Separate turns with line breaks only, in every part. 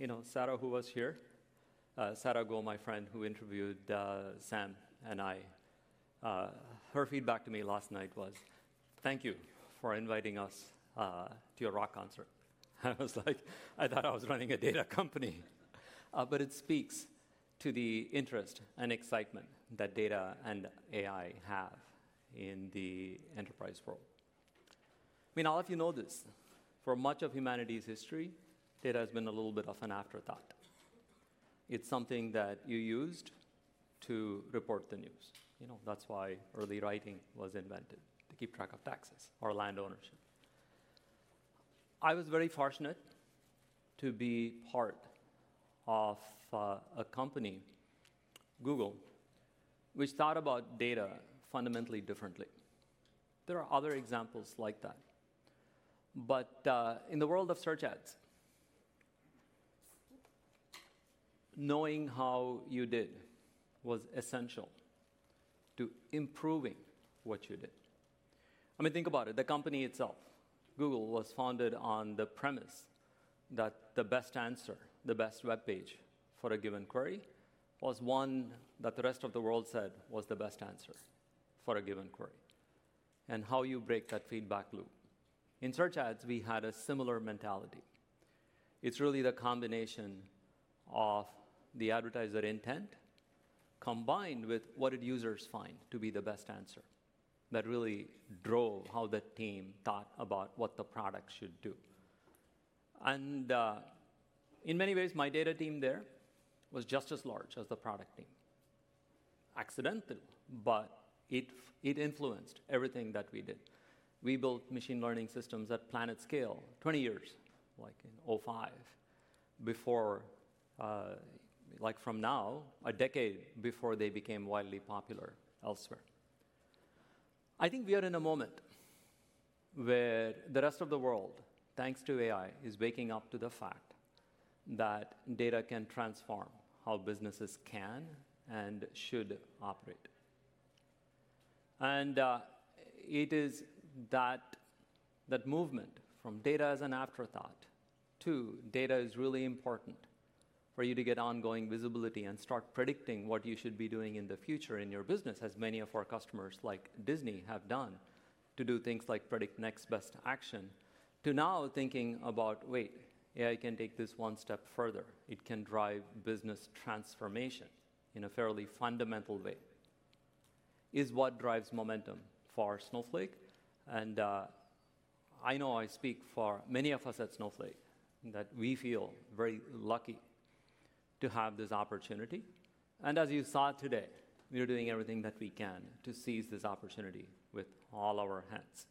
You know, Sarah, who was here, Sarah Guo, my friend who interviewed Sam and I. Her feedback to me last night was, "Thank you for inviting us to your rock concert." I was like, I thought I was running a data company. It speaks to the interest and excitement that data and AI have in the enterprise world. I mean, all of you know this, for much of humanity's history, data has been a little bit of an afterthought. It is something that you used to report the news. You know, that is why early writing was invented, to keep track of taxes or land ownership. I was very fortunate to be part of a company, Google, which thought about data fundamentally differently. There are other examples like that. In the world of search ads, knowing how you did was essential to improving what you did. I mean, think about it, the company itself, Google was founded on the premise that the best answer, the best web page for a given query was one that the rest of the world said was the best answer for a given query, and how you break that feedback loop. In search ads, we had a similar mentality. It's really the combination of the advertiser intent combined with what did users find to be the best answer that really drove how the team thought about what the product should do. In many ways, my data team there was just as large as the product team. Accidental, but it influenced everything that we did. We built machine learning systems at planet scale 20 years, like in 2005, before like from now, a decade before they became wildly popular elsewhere. I think we are in a moment where the rest of the world, thanks to AI, is waking up to the fact that data can transform how businesses can and should operate. It is that movement from data as an afterthought to data is really important for you to get ongoing visibility and start predicting what you should be doing in the future in your business, as many of our customers like Disney have done to do things like predict next best action, to now thinking about, wait, AI can take this one step further. It can drive business transformation in a fairly fundamental way is what drives momentum for Snowflake. I know I speak for many of us at Snowflake that we feel very lucky to have this opportunity. As you saw today, we are doing everything that we can to seize this opportunity with all our hands.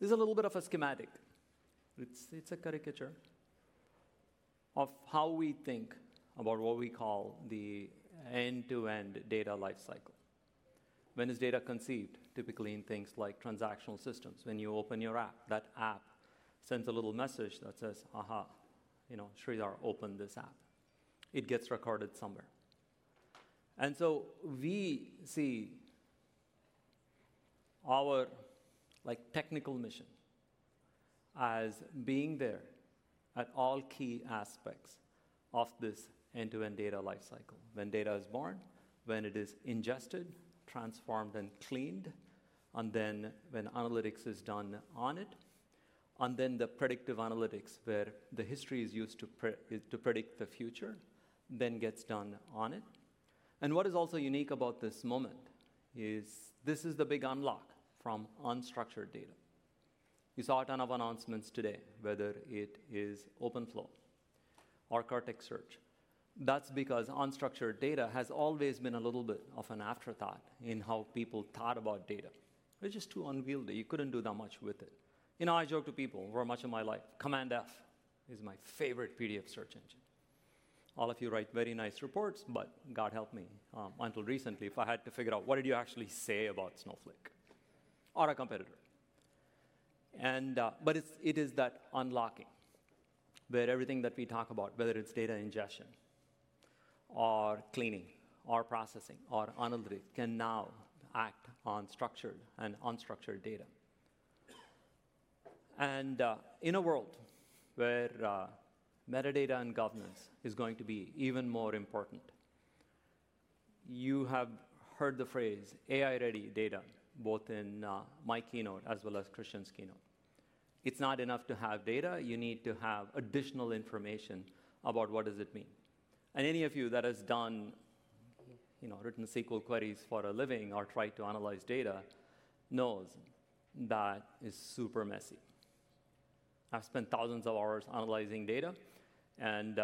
This is a little bit of a schematic. It's a caricature of how we think about what we call the end-to-end data lifecycle. When is data conceived? Typically in things like transactional systems. When you open your app, that app sends a little message that says, "Aha, you know, Sridhar opened this app." It gets recorded somewhere. We see our technical mission as being there at all key aspects of this end-to-end data lifecycle. When data is born, when it is ingested, transformed, and cleaned, and then when analytics is done on it, and then the predictive analytics where the history is used to predict the future then gets done on it. What is also unique about this moment is this is the big unlock from unstructured data. You saw a ton of announcements today, whether it is Openflow or Cortex Search. That is because unstructured data has always been a little bit of an afterthought in how people thought about data. It was just too unwieldy. You could not do that much with it. You know, I joke to people for much of my life, Command F is my favorite PDF search engine. All of you write very nice reports, but God help me, until recently, if I had to figure out what did you actually say about Snowflake or a competitor. It is that unlocking where everything that we talk about, whether it is data ingestion or cleaning or processing or analytics, can now act on structured and unstructured data. In a world where metadata and governance is going to be even more important, you have heard the phrase AI-ready data, both in my keynote as well as Christian's keynote. It's not enough to have data. You need to have additional information about what does it mean. Any of you that has done, you know, written SQL queries for a living or tried to analyze data knows that is super messy. I've spent thousands of hours analyzing data, and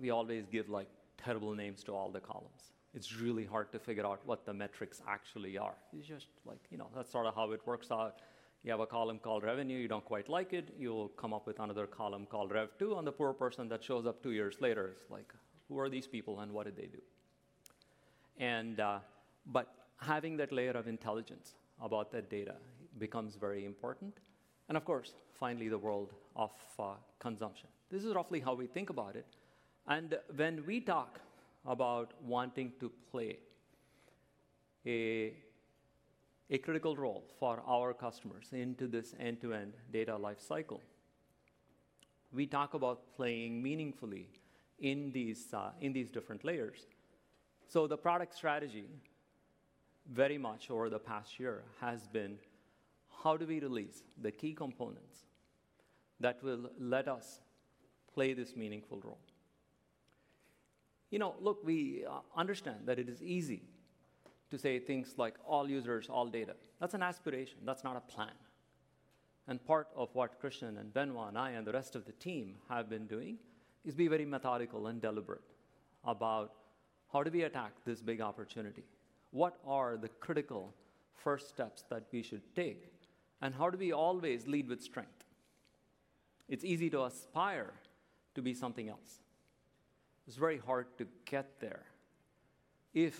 we always give like terrible names to all the columns. It's really hard to figure out what the metrics actually are. It's just like, you know, that's sort of how it works out. You have a column called revenue. You do not quite like it. You'll come up with another column called rev2, and the poor person that shows up two years later is like, who are these people and what did they do? Having that layer of intelligence about that data becomes very important. Of course, finally, the world of consumption. This is roughly how we think about it. When we talk about wanting to play a critical role for our customers into this end-to-end data lifecycle, we talk about playing meaningfully in these different layers. The product strategy very much over the past year has been, how do we release the key components that will let us play this meaningful role? You know, look, we understand that it is easy to say things like all users, all data. That's an aspiration. That's not a plan. Part of what Christian and Benoit and I and the rest of the team have been doing is be very methodical and deliberate about how do we attack this big opportunity? What are the critical first steps that we should take? How do we always lead with strength? It's easy to aspire to be something else. It's very hard to get there if,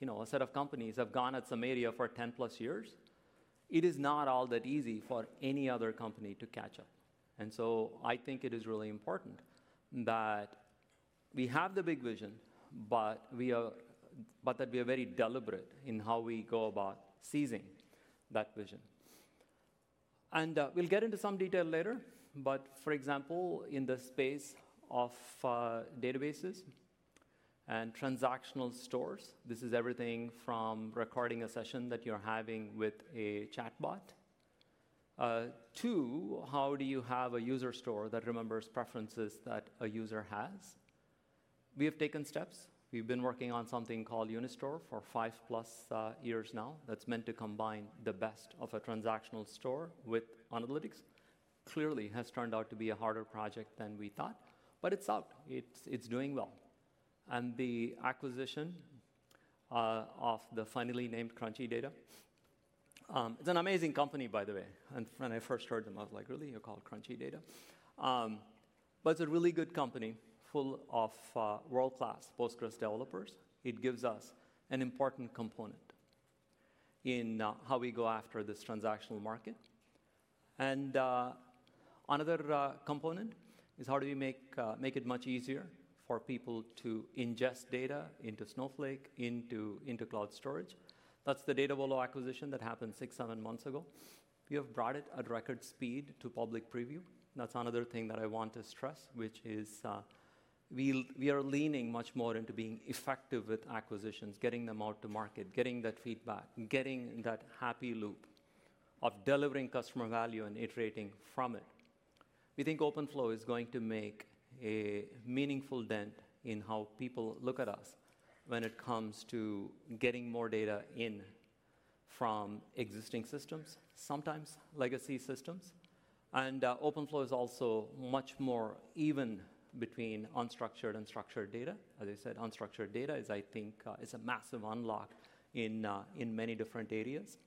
you know, a set of companies have gone at some area for 10-plus years. It is not all that easy for any other company to catch up. I think it is really important that we have the big vision, but that we are very deliberate in how we go about seizing that vision. We'll get into some detail later. For example, in the space of databases and transactional stores, this is everything from recording a session that you're having with a chatbot to how do you have a user store that remembers preferences that a user has. We have taken steps. We've been working on something called Unistore for five plus years now that's meant to combine the best of a transactional store with analytics. Clearly, it has turned out to be a harder project than we thought, but it's out. It's doing well. The acquisition of the finally named Crunchy Data. It's an amazing company, by the way. When I first heard them, I was like, really? You're called Crunchy Data? It's a really good company full of world-class Postgres developers. It gives us an important component in how we go after this transactional market. Another component is how do we make it much easier for people to ingest data into Snowflake, into cloud storage? That is the Datavolo acquisition that happened six, seven months ago. We have brought it at record speed to public preview. That is another thing that I want to stress, which is we are leaning much more into being effective with acquisitions, getting them out to market, getting that feedback, getting that happy loop of delivering customer value and iterating from it. We think Openflow is going to make a meaningful dent in how people look at us when it comes to getting more data in from existing systems, sometimes legacy systems. Openflow is also much more even between unstructured and structured data. As I said, unstructured data is, I think, a massive unlock in many different areas.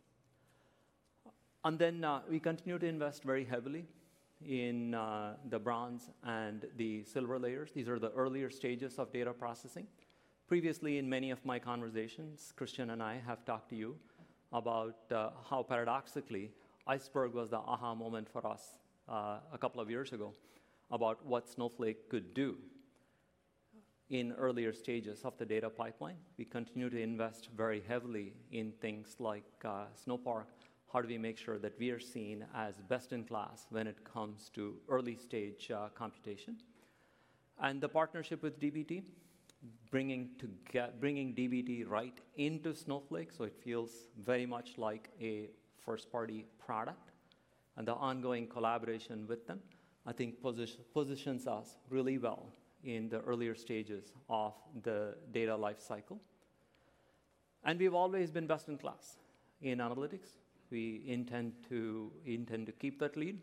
We continue to invest very heavily in the bronze and the silver layers. These are the earlier stages of data processing. Previously, in many of my conversations, Christian and I have talked to you about how paradoxically Iceberg was the aha moment for us a couple of years ago about what Snowflake could do in earlier stages of the data pipeline. We continue to invest very heavily in things like Snowpark. How do we make sure that we are seen as best in class when it comes to early stage computation? The partnership with dbt, bringing dbt right into Snowflake so it feels very much like a first-party product. The ongoing collaboration with them, I think, positions us really well in the earlier stages of the data lifecycle. We have always been best in class in analytics. We intend to keep that lead.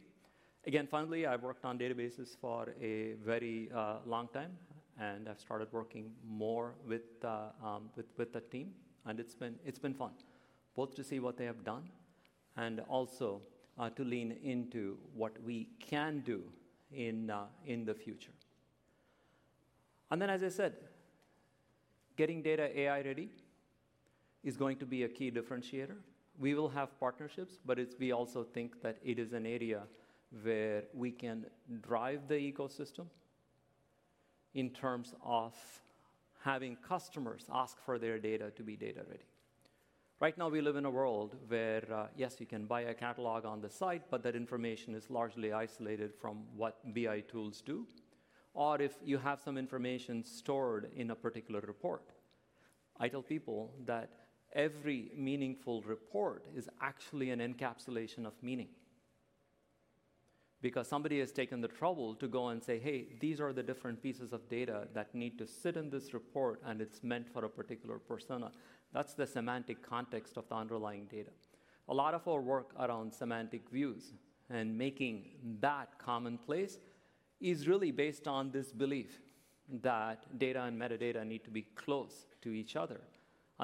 Again, finally, I've worked on databases for a very long time, and I've started working more with the team. It's been fun both to see what they have done and also to lean into what we can do in the future. As I said, getting data AI ready is going to be a key differentiator. We will have partnerships, but we also think that it is an area where we can drive the ecosystem in terms of having customers ask for their data to be data ready. Right now, we live in a world where, yes, you can buy a catalog on the site, but that information is largely isolated from what BI tools do. If you have some information stored in a particular report, I tell people that every meaningful report is actually an encapsulation of meaning because somebody has taken the trouble to go and say, hey, these are the different pieces of data that need to sit in this report, and it's meant for a particular persona. That is the semantic context of the underlying data. A lot of our work around semantic views and making that commonplace is really based on this belief that data and metadata need to be close to each other.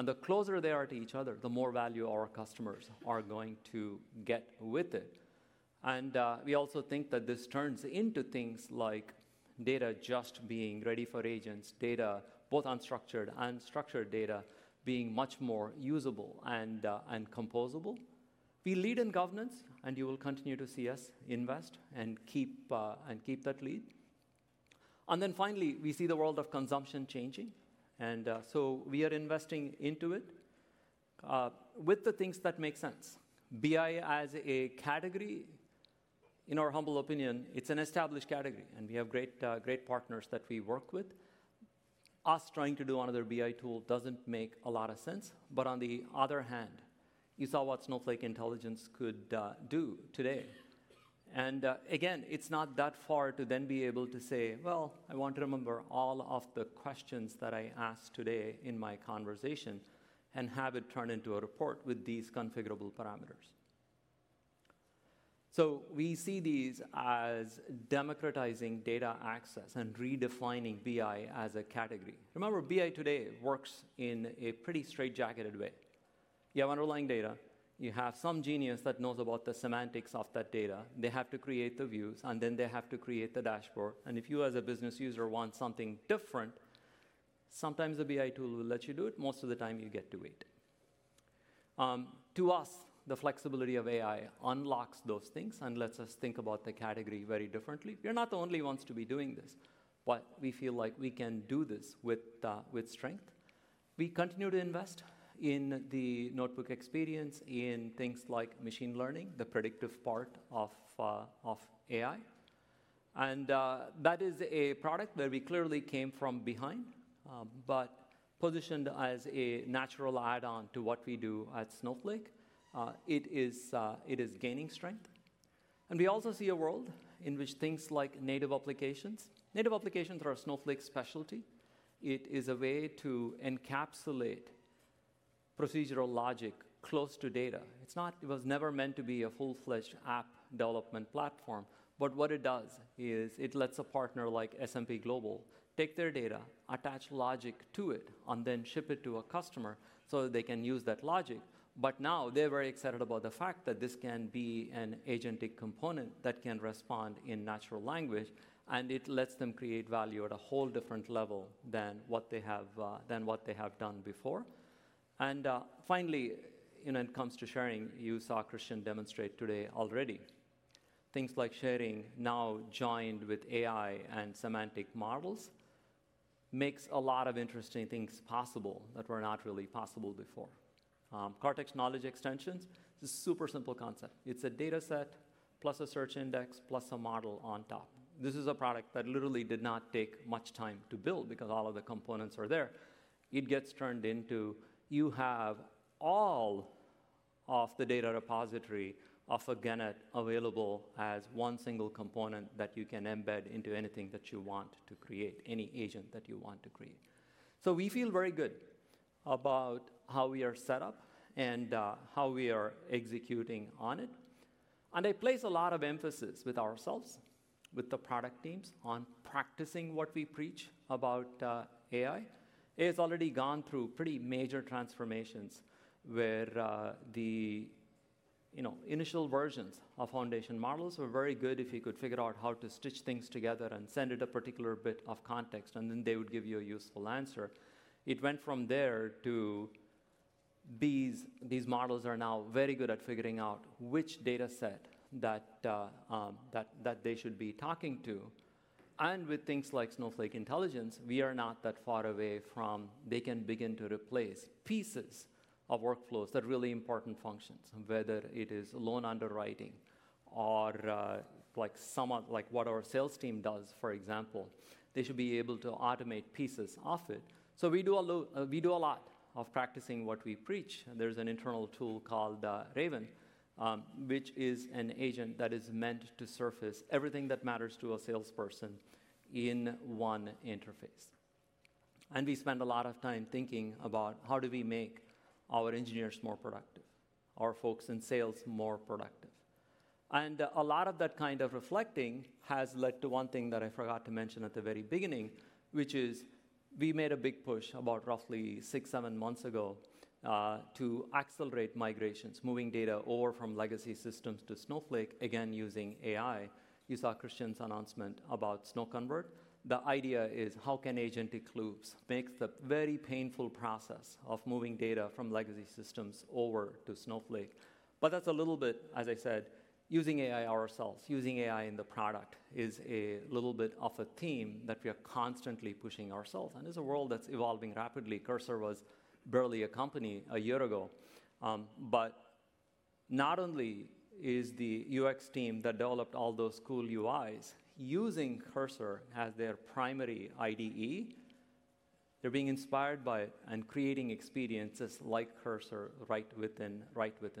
The closer they are to each other, the more value our customers are going to get with it. We also think that this turns into things like data just being ready for agents, data both unstructured and structured data being much more usable and composable. We lead in governance, and you will continue to see us invest and keep that lead. Finally, we see the world of consumption changing. We are investing into it with the things that make sense. BI as a category, in our humble opinion, it's an established category, and we have great partners that we work with. Us trying to do another BI tool doesn't make a lot of sense. On the other hand, you saw what Snowflake Intelligence could do today. Again, it's not that far to then be able to say, I want to remember all of the questions that I asked today in my conversation and have it turn into a report with these configurable parameters. We see these as democratizing data access and redefining BI as a category. Remember, BI today works in a pretty straightjacketed way. You have underlying data. You have some genius that knows about the semantics of that data. They have to create the views, and then they have to create the dashboard. If you, as a business user, want something different, sometimes a BI tool will let you do it. Most of the time, you get to wait. To us, the flexibility of AI unlocks those things and lets us think about the category very differently. You're not the only ones to be doing this, but we feel like we can do this with strength. We continue to invest in the notebook experience, in things like machine learning, the predictive part of AI. That is a product where we clearly came from behind, but positioned as a natural add-on to what we do at Snowflake. It is gaining strength. We also see a world in which things like native applications—native applications are a Snowflake specialty—it is a way to encapsulate procedural logic close to data. It was never meant to be a full-fledged app development platform, but what it does is it lets a partner like S&P Global take their data, attach logic to it, and then ship it to a customer so that they can use that logic. Now they are very excited about the fact that this can be an agentic component that can respond in natural language, and it lets them create value at a whole different level than what they have done before. Finally, when it comes to sharing, you saw Christian demonstrate today already. Things like sharing now joined with AI and semantic models makes a lot of interesting things possible that were not really possible before. Cortex Knowledge Extensions is a super simple concept. It's a data set plus a search index plus a model on top. This is a product that literally did not take much time to build because all of the components are there. It gets turned into you have all of the data repository of a genetic available as one single component that you can embed into anything that you want to create, any agent that you want to create. We feel very good about how we are set up and how we are executing on it. I place a lot of emphasis with ourselves, with the product teams, on practicing what we preach about AI. It has already gone through pretty major transformations where the initial versions of foundation models were very good if you could figure out how to stitch things together and send it a particular bit of context, and then they would give you a useful answer. It went from there to these models are now very good at figuring out which data set that they should be talking to. With things like Snowflake Intelligence, we are not that far away from they can begin to replace pieces of workflows that are really important functions, whether it is loan underwriting or like what our sales team does, for example. They should be able to automate pieces of it. We do a lot of practicing what we preach. There's an internal tool called Raven, which is an agent that is meant to surface everything that matters to a salesperson in one interface. We spend a lot of time thinking about how do we make our engineers more productive, our folks in sales more productive. A lot of that kind of reflecting has led to one thing that I forgot to mention at the very beginning, which is we made a big push about roughly six, seven months ago to accelerate migrations, moving data over from legacy systems to Snowflake, again using AI. You saw Christian's announcement about SnowConvert. The idea is how can agentic loops make the very painful process of moving data from legacy systems over to Snowflake. That's a little bit, as I said, using AI ourselves, using AI in the product is a little bit of a theme that we are constantly pushing ourselves. It's a world that's evolving rapidly. Cursor was barely a company a year ago. Not only is the UX team that developed all those cool UIs using Cursor as their primary IDE, they're being inspired by it and creating experiences like Cursor right within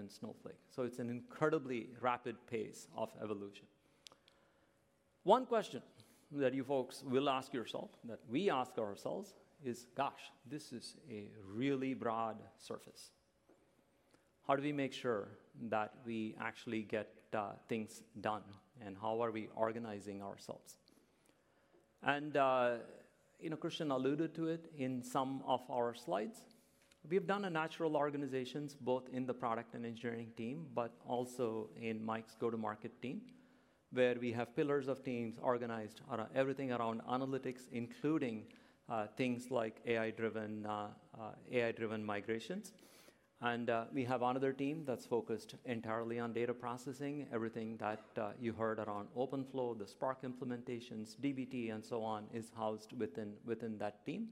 Snowflake. It's an incredibly rapid pace of evolution. One question that you folks will ask yourself, that we ask ourselves, is, gosh, this is a really broad surface. How do we make sure that we actually get things done, and how are we organizing ourselves? Christian alluded to it in some of our slides. We have done a natural organization both in the product and engineering team, but also in Mike's go-to-market team, where we have pillars of teams organized around everything around analytics, including things like AI-driven migrations. We have another team that's focused entirely on data processing. Everything that you heard around Openflow, the Spark implementations, dbt, and so on is housed within that team.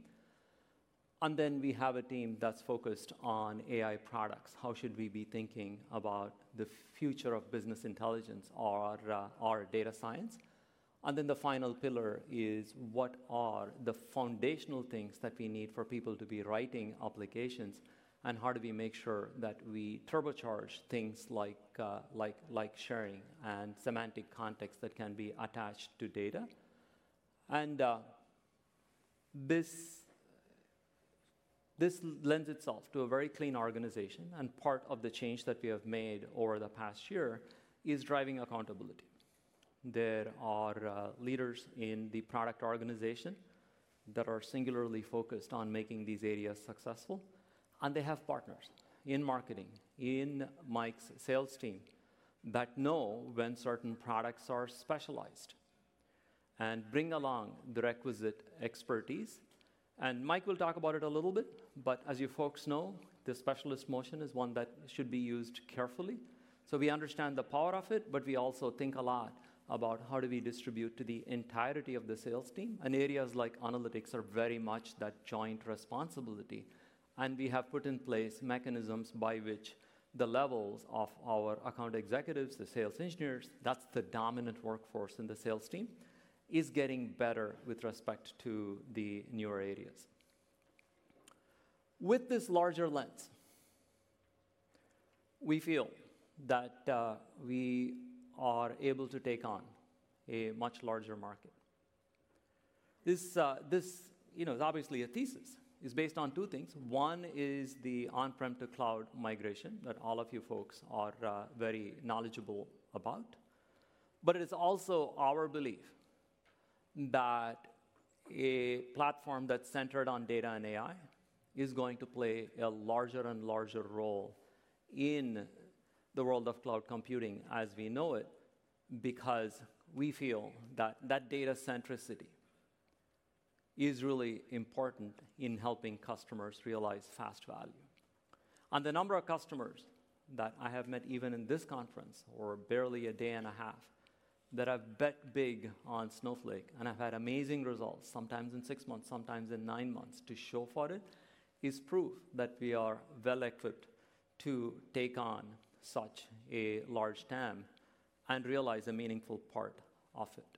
We have a team that's focused on AI products. How should we be thinking about the future of business intelligence or data science? The final pillar is what are the foundational things that we need for people to be writing applications, and how do we make sure that we turbocharge things like sharing and semantic context that can be attached to data? This lends itself to a very clean organization. Part of the change that we have made over the past year is driving accountability. There are leaders in the product organization that are singularly focused on making these areas successful. They have partners in marketing, in Mike's sales team that know when certain products are specialized and bring along the requisite expertise. Mike will talk about it a little bit, but as you folks know, the specialist motion is one that should be used carefully. We understand the power of it, but we also think a lot about how do we distribute to the entirety of the sales team. Areas like analytics are very much that joint responsibility. We have put in place mechanisms by which the levels of our account executives, the sales engineers, that's the dominant workforce in the sales team, is getting better with respect to the newer areas. With this larger lens, we feel that we are able to take on a much larger market. This is obviously a thesis. It is based on two things. One is the on-prem to cloud migration that all of you folks are very knowledgeable about. It is also our belief that a platform that is centered on data and AI is going to play a larger and larger role in the world of cloud computing as we know it because we feel that that data centricity is really important in helping customers realize fast value. The number of customers that I have met even in this conference, or barely a day and a half, that have bet big on Snowflake and have had amazing results, sometimes in six months, sometimes in nine months, to show for it, is proof that we are well equipped to take on such a large TAM and realize a meaningful part of it.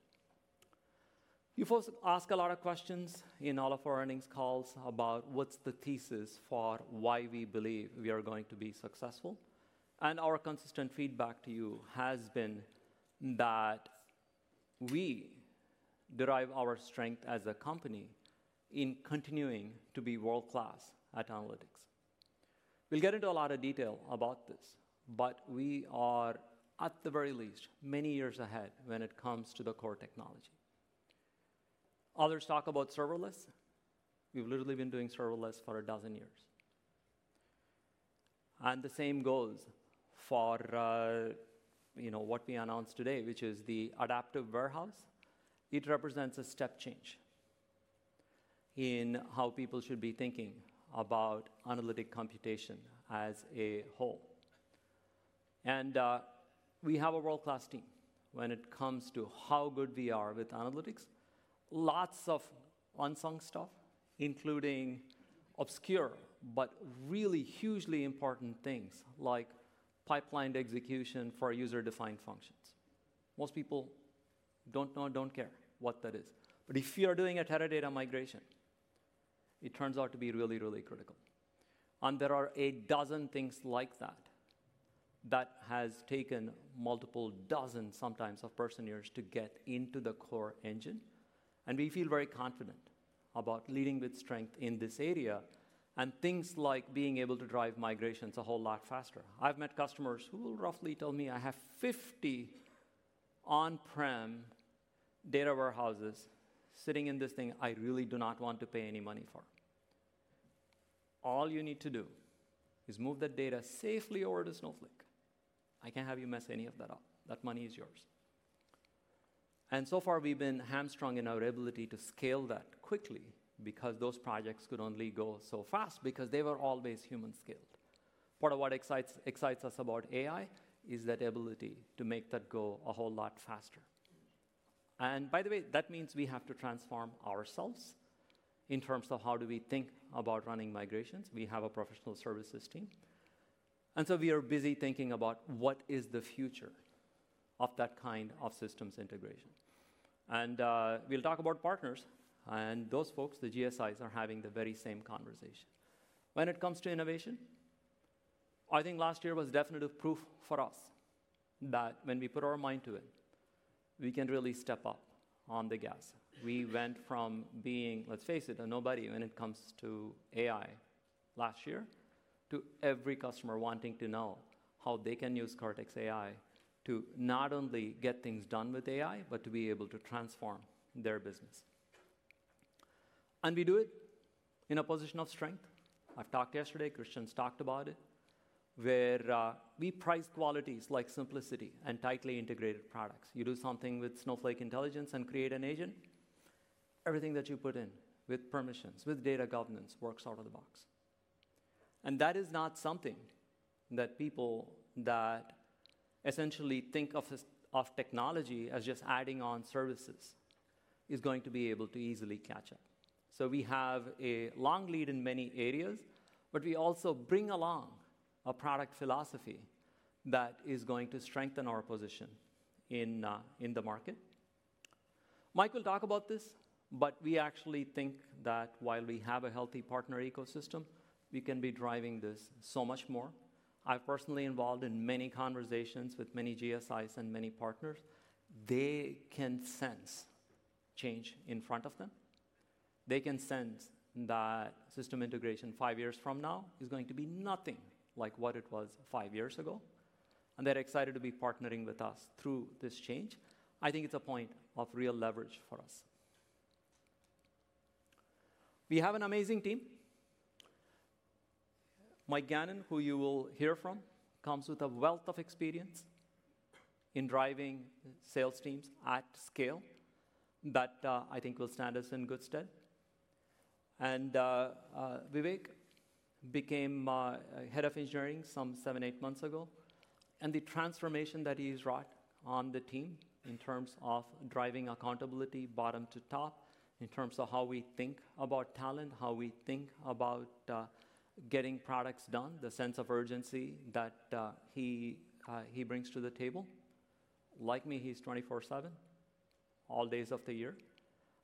You folks ask a lot of questions in all of our earnings calls about what's the thesis for why we believe we are going to be successful. Our consistent feedback to you has been that we derive our strength as a company in continuing to be world-class at analytics. We'll get into a lot of detail about this, but we are, at the very least, many years ahead when it comes to the core technology. Others talk about serverless. We've literally been doing serverless for a dozen years. The same goes for what we announced today, which is the adaptive warehouse. It represents a step change in how people should be thinking about analytic computation as a whole. We have a world-class team when it comes to how good we are with analytics. Lots of unsung stuff, including obscure but really hugely important things like pipelined execution for user-defined functions. Most people do not know and do not care what that is. If you are doing a Teradata migration, it turns out to be really, really critical. There are a dozen things like that that have taken multiple dozens, sometimes, of personeers to get into the core engine. We feel very confident about leading with strength in this area and things like being able to drive migrations a whole lot faster. I've met customers who will roughly tell me, "I have 50 on-prem data warehouses sitting in this thing I really do not want to pay any money for. All you need to do is move that data safely over to Snowflake. I can't have you mess any of that up. That money is yours." So far, we've been hamstrung in our ability to scale that quickly because those projects could only go so fast because they were always human-scaled. Part of what excites us about AI is that ability to make that go a whole lot faster. By the way, that means we have to transform ourselves in terms of how do we think about running migrations. We have a professional services team. We are busy thinking about what is the future of that kind of systems integration. We'll talk about partners. Those folks, the GSIs, are having the very same conversation. When it comes to innovation, I think last year was definitive proof for us that when we put our mind to it, we can really step up on the gas. We went from being, let's face it, a nobody when it comes to AI last year to every customer wanting to know how they can use Cortex AI to not only get things done with AI, but to be able to transform their business. We do it in a position of strength. I talked yesterday. Christian talked about it, where we prize qualities like simplicity and tightly integrated products. You do something with Snowflake Intelligence and create an agent. Everything that you put in with permissions, with data governance, works out of the box. That is not something that people that essentially think of technology as just adding on services are going to be able to easily catch up. We have a long lead in many areas, but we also bring along a product philosophy that is going to strengthen our position in the market. Mike will talk about this, but we actually think that while we have a healthy partner ecosystem, we can be driving this so much more. I've personally been involved in many conversations with many GSIs and many partners. They can sense change in front of them. They can sense that system integration five years from now is going to be nothing like what it was five years ago. They are excited to be partnering with us through this change. I think it's a point of real leverage for us. We have an amazing team. Mike Gannon, who you will hear from, comes with a wealth of experience in driving sales teams at scale that I think will stand us in good stead. Vivek became head of engineering some seven, eight months ago. The transformation that he's wrought on the team in terms of driving accountability bottom to top, in terms of how we think about talent, how we think about getting products done, the sense of urgency that he brings to the table. Like me, he's 24/7, all days of the year.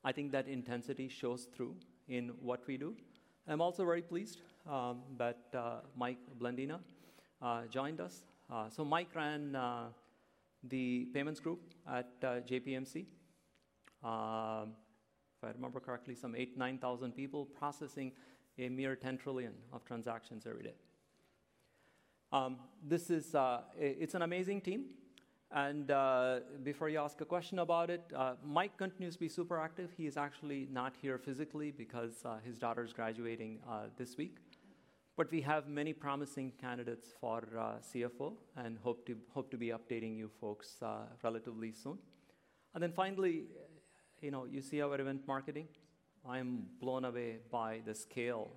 I think that intensity shows through in what we do. I'm also very pleased that Mike Blendina joined us. Mike ran the payments group at JPMC. If I remember correctly, some 8,000, 9,000 people processing a mere $10 trillion of transactions every day. It's an amazing team. Before you ask a question about it, Mike continues to be super active. He is actually not here physically because his daughter's graduating this week. We have many promising candidates for CFO and hope to be updating you folks relatively soon. Finally, you see our event marketing. I am blown away by the scale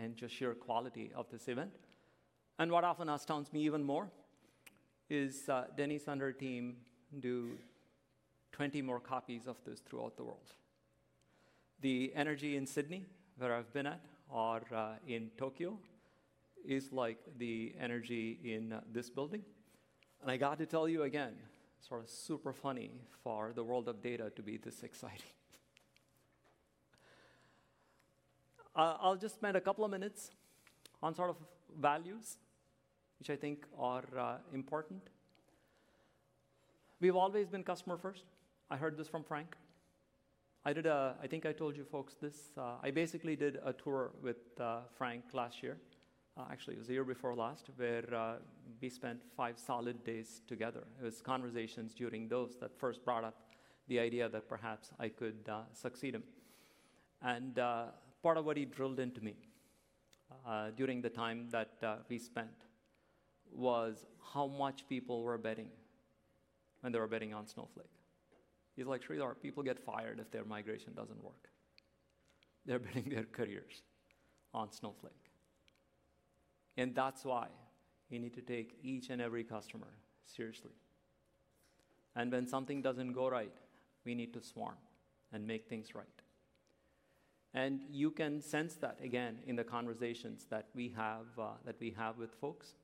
and just sheer quality of this event. What often astounds me even more is Denny's and her team do 20 more copies of this throughout the world. The energy in Sydney, where I've been at, or in Tokyo, is like the energy in this building. I got to tell you again, it's sort of super funny for the world of data to be this exciting. I'll just spend a couple of minutes on sort of values, which I think are important. We've always been customer-first. I heard this from Frank. I think I told you folks this. I basically did a tour with Frank last year. Actually, it was the year before last, where we spent five solid days together. It was conversations during those that first brought up the idea that perhaps I could succeed him. Part of what he drilled into me during the time that we spent was how much people were betting when they were betting on Snowflake. He's like, "Sridhar, people get fired if their migration doesn't work. They're betting their careers on Snowflake." That is why you need to take each and every customer seriously. When something does not go right, we need to swarm and make things right. You can sense that again in the conversations that we have with folks.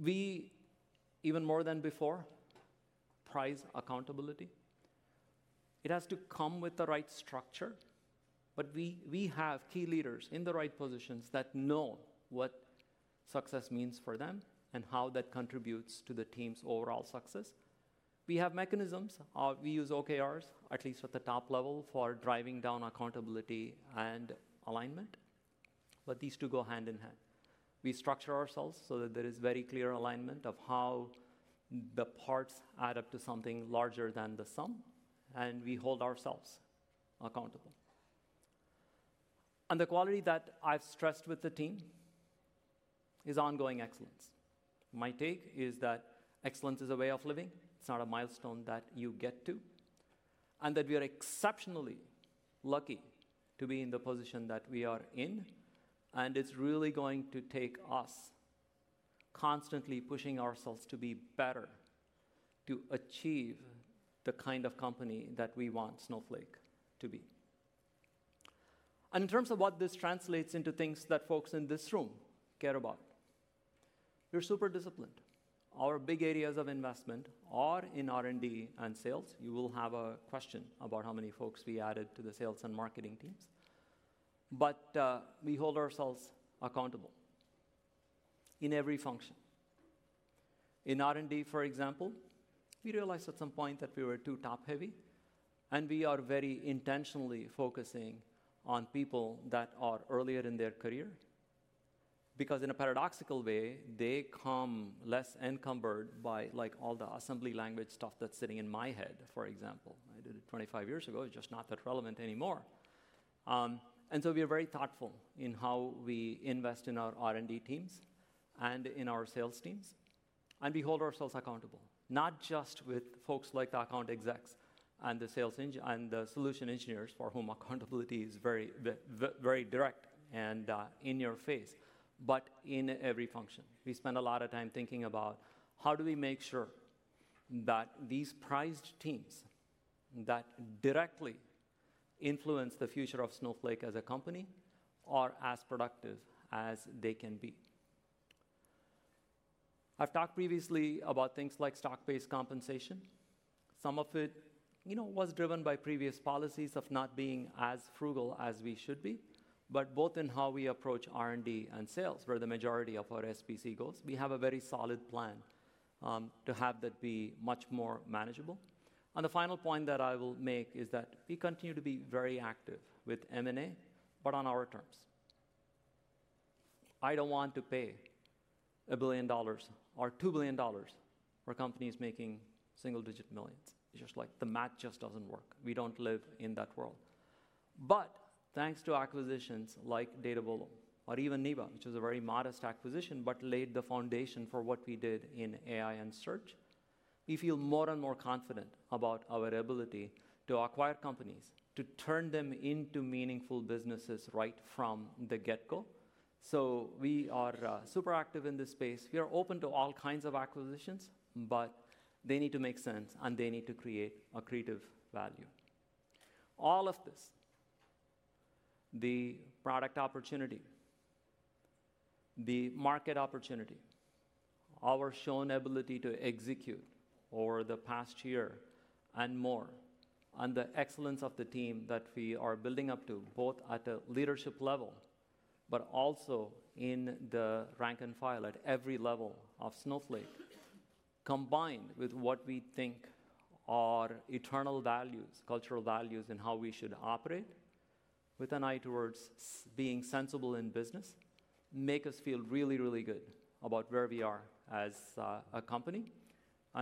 We, even more than before, prize accountability. It has to come with the right structure. We have key leaders in the right positions that know what success means for them and how that contributes to the team's overall success. We have mechanisms. We use OKRs, at least at the top level, for driving down accountability and alignment. These two go hand in hand. We structure ourselves so that there is very clear alignment of how the parts add up to something larger than the sum. We hold ourselves accountable. The quality that I've stressed with the team is ongoing excellence. My take is that excellence is a way of living. It's not a milestone that you get to. We are exceptionally lucky to be in the position that we are in. It's really going to take us constantly pushing ourselves to be better to achieve the kind of company that we want Snowflake to be. In terms of what this translates into, things that folks in this room care about, we're super disciplined. Our big areas of investment are in R&D and sales. You will have a question about how many folks we added to the sales and marketing teams. We hold ourselves accountable in every function. In R&D, for example, we realized at some point that we were too top-heavy. We are very intentionally focusing on people that are earlier in their career because in a paradoxical way, they come less encumbered by all the assembly language stuff that's sitting in my head, for example. I did it 25 years ago. It's just not that relevant anymore. We are very thoughtful in how we invest in our R&D teams and in our sales teams. We hold ourselves accountable, not just with folks like the account execs and the solution engineers for whom accountability is very direct and in your face, but in every function. We spend a lot of time thinking about how do we make sure that these prized teams that directly influence the future of Snowflake as a company are as productive as they can be. I've talked previously about things like stock-based compensation. Some of it was driven by previous policies of not being as frugal as we should be. Both in how we approach R&D and sales, where the majority of our SBC goes, we have a very solid plan to have that be much more manageable. The final point that I will make is that we continue to be very active with M&A, but on our terms. I don't want to pay a billion dollars or $2 billion for companies making single-digit millions. It's just like the math just doesn't work. We don't live in that world. Thanks to acquisitions like Datavolo, or even Neeva, which is a very modest acquisition, but laid the foundation for what we did in AI and search, we feel more and more confident about our ability to acquire companies, to turn them into meaningful businesses right from the get-go. We are super active in this space. We are open to all kinds of acquisitions, but they need to make sense, and they need to create accretive value. All of this, the product opportunity, the market opportunity, our shown ability to execute over the past year and more, and the excellence of the team that we are building up to both at a leadership level, but also in the rank and file at every level of Snowflake, combined with what we think are eternal values, cultural values in how we should operate, with an eye towards being sensible in business, make us feel really, really good about where we are as a company.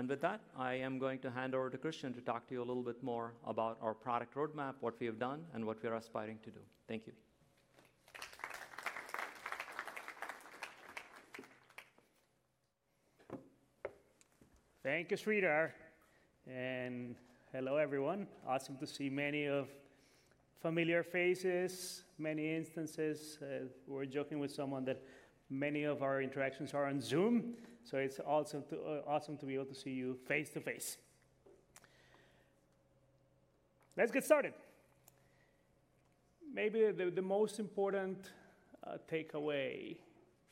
With that, I am going to hand over to Christian to talk to you a little bit more about our product roadmap, what we have done, and what we are aspiring to do. Thank you.
Thank you, Sridhar. Hello, everyone. Awesome to see many familiar faces, many instances. We're joking with someone that many of our interactions are on Zoom. It's awesome to be able to see you face to face. Let's get started. Maybe the most important takeaway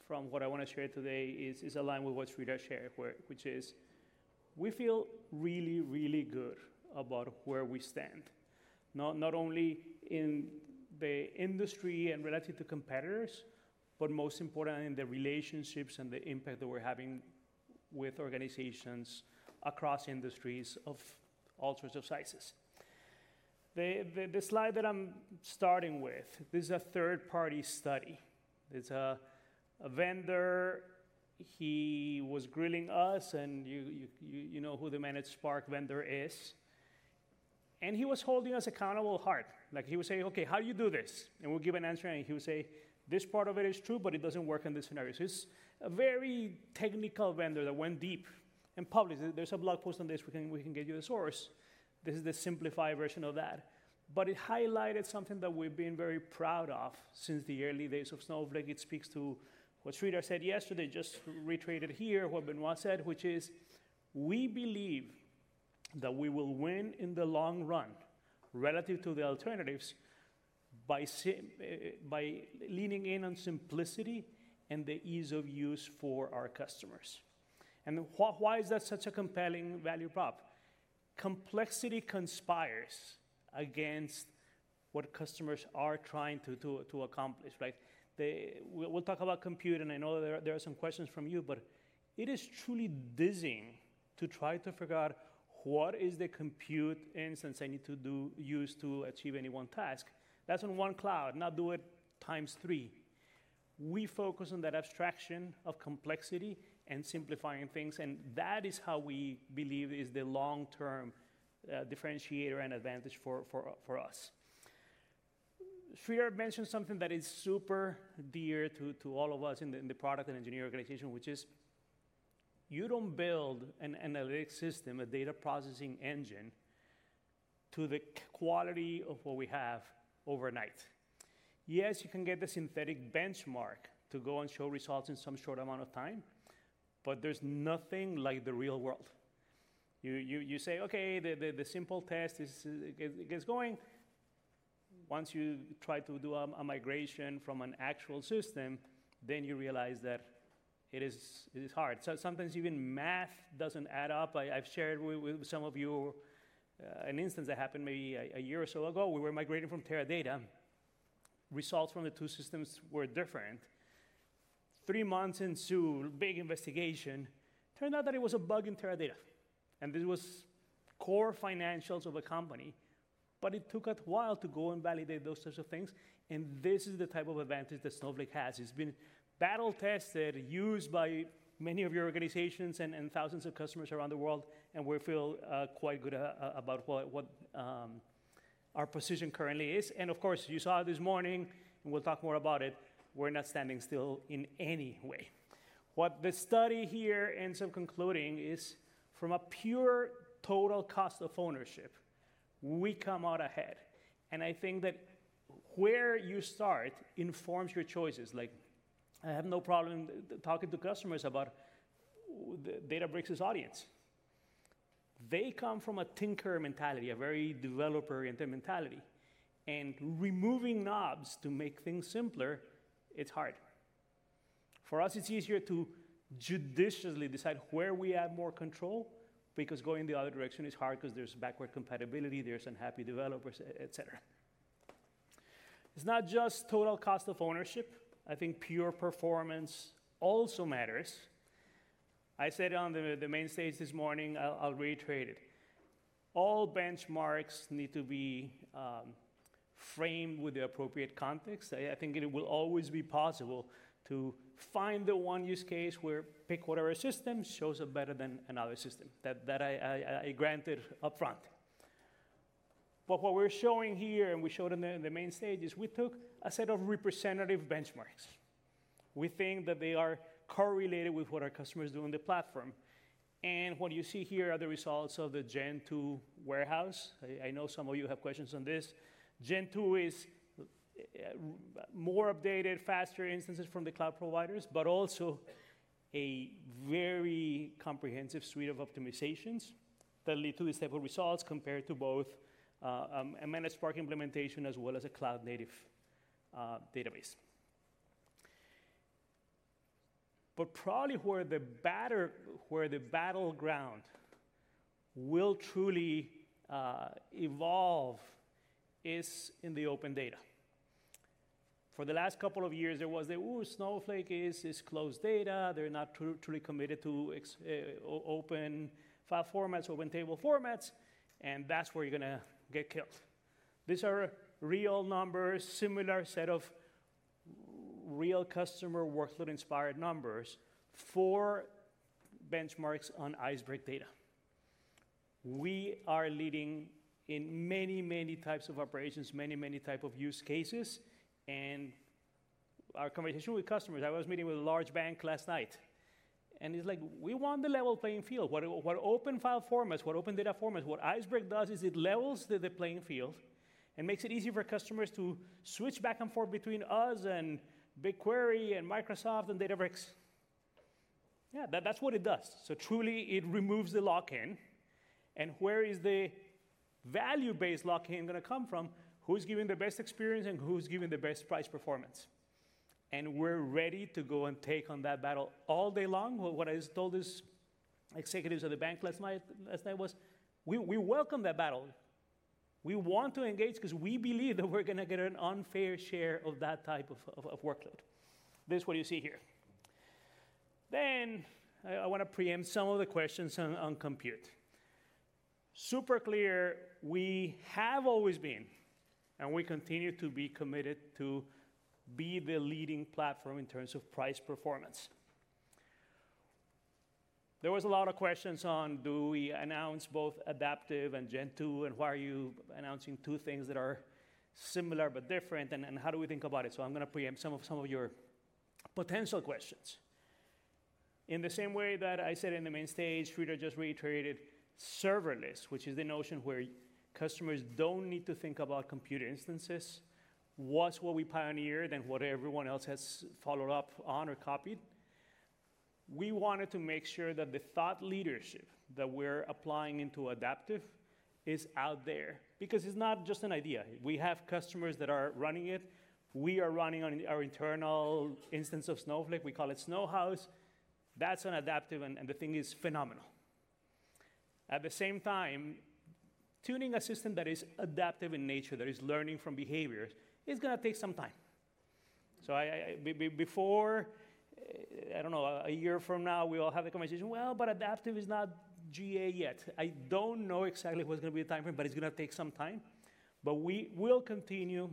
from what I want to share today is aligned with what Sridhar shared, which is we feel really, really good about where we stand, not only in the industry and relative to competitors, but most importantly, in the relationships and the impact that we're having with organizations across industries of all sorts of sizes. The slide that I'm starting with, this is a third-party study. It's a vendor. He was grilling us, and you know who the Apache Spark vendor is. He was holding us accountable hard, like he was saying, "Okay, how do you do this?" And we'll give an answer. He would say, "This part of it is true, but it doesn't work in this scenario." It is a very technical vendor that went deep and published. There is a blog post on this. We can get you the source. This is the simplified version of that. It highlighted something that we have been very proud of since the early days of Snowflake. It speaks to what Sridhar said yesterday, just retraited here, what Benoit said, which is we believe that we will win in the long run relative to the alternatives by leaning in on simplicity and the ease of use for our customers. Why is that such a compelling value prop? Complexity conspires against what customers are trying to accomplish. We will talk about compute. I know there are some questions from you, but it is truly dizzying to try to figure out what is the compute instance I need to use to achieve any one task. That is in one cloud, not do it times three. We focus on that abstraction of complexity and simplifying things. That is how we believe is the long-term differentiator and advantage for us. Sridhar mentioned something that is super dear to all of us in the product and engineering organization, which is you do not build an analytic system, a data processing engine to the quality of what we have overnight. Yes, you can get the synthetic benchmark to go and show results in some short amount of time, but there is nothing like the real world. You say, "Okay, the simple test is going." Once you try to do a migration from an actual system, then you realize that it is hard. Sometimes even math does not add up. I have shared with some of you an instance that happened maybe a year or so ago. We were migrating from Teradata. Results from the two systems were different. Three months into big investigation, it turned out that it was a bug in Teradata. This was core financials of a company. It took a while to go and validate those sorts of things. This is the type of advantage that Snowflake has. It has been battle-tested, used by many of your organizations and thousands of customers around the world. We feel quite good about what our position currently is. Of course, you saw this morning, and we'll talk more about it, we're not standing still in any way. What the study here ends up concluding is from a pure total cost of ownership, we come out ahead. I think that where you start informs your choices. I have no problem talking to customers about Databricks' audience. They come from a tinker mentality, a very developer-oriented mentality. Removing knobs to make things simpler, it's hard. For us, it's easier to judiciously decide where we have more control because going the other direction is hard because there's backward compatibility, there's unhappy developers, et cetera. It's not just total cost of ownership. I think pure performance also matters. I said on the main stage this morning, I'll reiterate it. All benchmarks need to be framed with the appropriate context. I think it will always be possible to find the one use case where pick whatever system shows up better than another system. That I granted upfront. What we're showing here, and we showed on the main stage, is we took a set of representative benchmarks. We think that they are correlated with what our customers do on the platform. What you see here are the results of the Gen2 Warehouse. I know some of you have questions on this. Gen2 is more updated, faster instances from the cloud providers, but also a very comprehensive suite of optimizations that lead to this type of results compared to both an Apache Spark implementation as well as a cloud-native database. Probably where the battleground will truly evolve is in the open data. For the last couple of years, there was the, "Ooh, Snowflake is closed data. They're not truly committed to open file formats, open table formats. That's where you're going to get killed. These are real numbers, similar set of real customer workload-inspired numbers for benchmarks on Iceberg data. We are leading in many, many types of operations, many, many types of use cases. In our conversation with customers, I was meeting with a large bank last night. It's like, we want the level playing field. What open file formats, what open data formats, what Iceberg does is it levels the playing field and makes it easy for customers to switch back and forth between us and BigQuery and Microsoft and Databricks. Yeah, that's what it does. It truly removes the lock-in. Where is the value-based lock-in going to come from? Who's giving the best experience and who's giving the best price performance? We're ready to go and take on that battle all day long. What I told these executives of the bank last night was we welcome that battle. We want to engage because we believe that we're going to get an unfair share of that type of workload. This is what you see here. I want to preempt some of the questions on compute. Super clear, we have always been, and we continue to be committed to be the leading platform in terms of price performance. There was a lot of questions on, do we announce both Adaptive and Gen2? And why are you announcing two things that are similar but different? How do we think about it? I'm going to preempt some of your potential questions. In the same way that I said in the main stage, Sridhar just reiterated serverless, which is the notion where customers do not need to think about compute instances, was what we pioneered and what everyone else has followed up on or copied. We wanted to make sure that the thought leadership that we are applying into Adaptive is out there because it is not just an idea. We have customers that are running it. We are running on our internal instance of Snowflake. We call it Snowhouse. That is on Adaptive. The thing is phenomenal. At the same time, tuning a system that is adaptive in nature, that is learning from behaviors, is going to take some time. Before, I do not know, a year from now, we will have the conversation, but Adaptive is not GA yet. I don't know exactly what's going to be the timeframe, but it's going to take some time. We will continue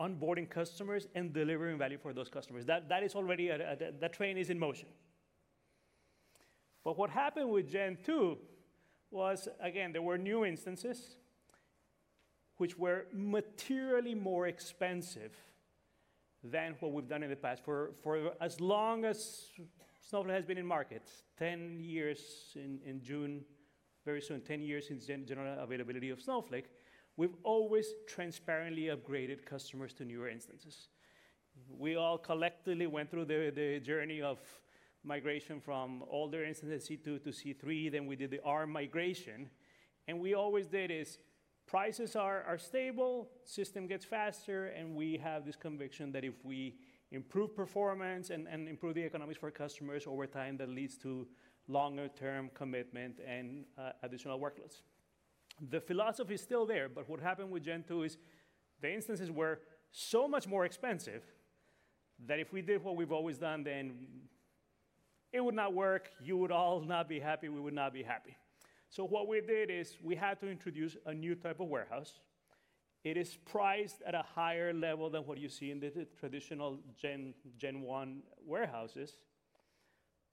onboarding customers and delivering value for those customers. That is already, the train is in motion. What happened with Gen2 was, again, there were new instances which were materially more expensive than what we've done in the past. For as long as Snowflake has been in market, 10 years in June, very soon, 10 years in general availability of Snowflake, we've always transparently upgraded customers to newer instances. We all collectively went through the journey of migration from older instances, C2 to C3. Then we did the R migration. What we always did is prices are stable, system gets faster, and we have this conviction that if we improve performance and improve the economics for customers over time, that leads to longer-term commitment and additional workloads. The philosophy is still there. What happened with Gen2 is the instances were so much more expensive that if we did what we've always done, then it would not work. You would all not be happy. We would not be happy. What we did is we had to introduce a new type of warehouse. It is priced at a higher level than what you see in the traditional Gen1 warehouses.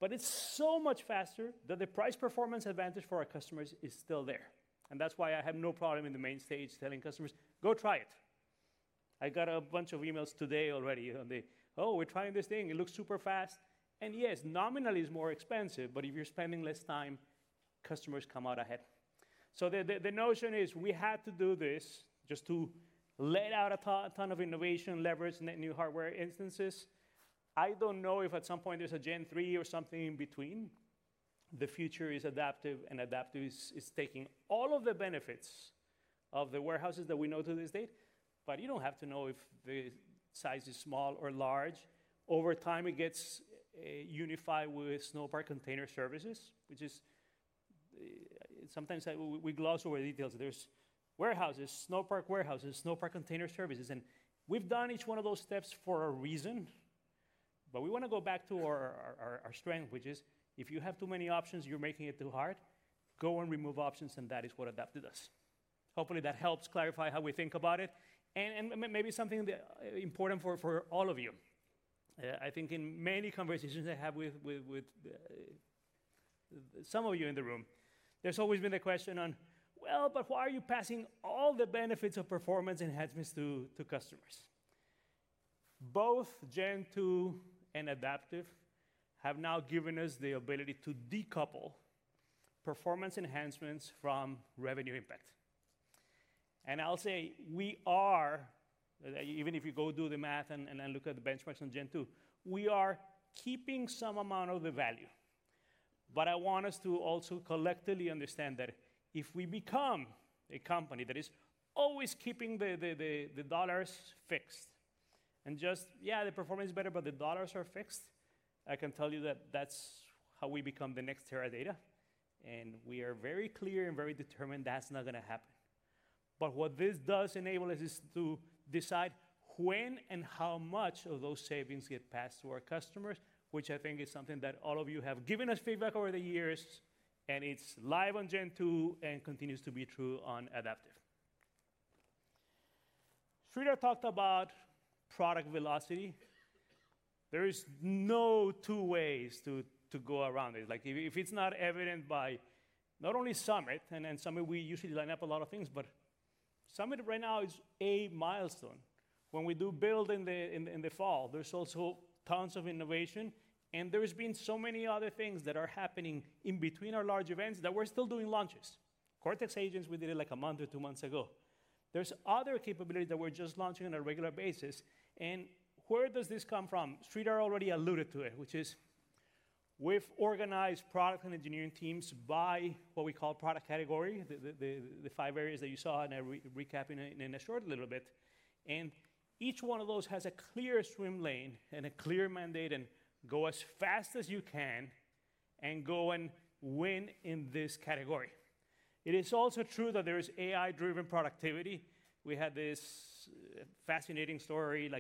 It is so much faster that the price performance advantage for our customers is still there. That is why I have no problem in the main stage telling customers, "Go try it." I got a bunch of emails today already on the, "Oh, we're trying this thing. It looks super fast." Yes, nominally it is more expensive. If you're spending less time, customers come out ahead. The notion is we had to do this just to let out a ton of innovation, leverage new hardware instances. I do not know if at some point there is a Gen3 or something in between. The future is adaptive, and adaptive is taking all of the benefits of the warehouses that we know to this date. You do not have to know if the size is small or large. Over time, it gets unified with Snowpark Container Services, which is sometimes we gloss over details. There are warehouses, Snowpark Warehouses, Snowpark Container Services. We have done each one of those steps for a reason. We want to go back to our strength, which is if you have too many options, you are making it too hard. Go and remove options. That is what adaptive does. Hopefully, that helps clarify how we think about it. Maybe something important for all of you. I think in many conversations I have with some of you in the room, there's always been the question on, "Well, but why are you passing all the benefits of performance enhancements to customers?" Both Gen2 and adaptive have now given us the ability to decouple performance enhancements from revenue impact. I'll say we are, even if you go do the math and look at the benchmarks on Gen2, we are keeping some amount of the value. I want us to also collectively understand that if we become a company that is always keeping the dollars fixed and just, yeah, the performance is better, but the dollars are fixed, I can tell you that that's how we become the next Teradata. We are very clear and very determined that's not going to happen. What this does enable us is to decide when and how much of those savings get passed to our customers, which I think is something that all of you have given us feedback over the years. It is live on Gen2 and continues to be true on adaptive. Sridhar talked about product velocity. There is no two ways to go around it. If it is not evident by not only Summit, and Summit, we usually line up a lot of things, but Summit right now is a milestone. When we do build in the fall, there is also tons of innovation. There have been so many other things that are happening in between our large events that we are still doing launches. Cortex agents, we did it like a month or two months ago. There are other capabilities that we are just launching on a regular basis. Where does this come from? Sridhar already alluded to it, which is we've organized product and engineering teams by what we call product category, the five areas that you saw, and I'll recap in a short little bit. Each one of those has a clear swim lane and a clear mandate and go as fast as you can and go and win in this category. It is also true that there is AI-driven productivity. We had this fascinating story.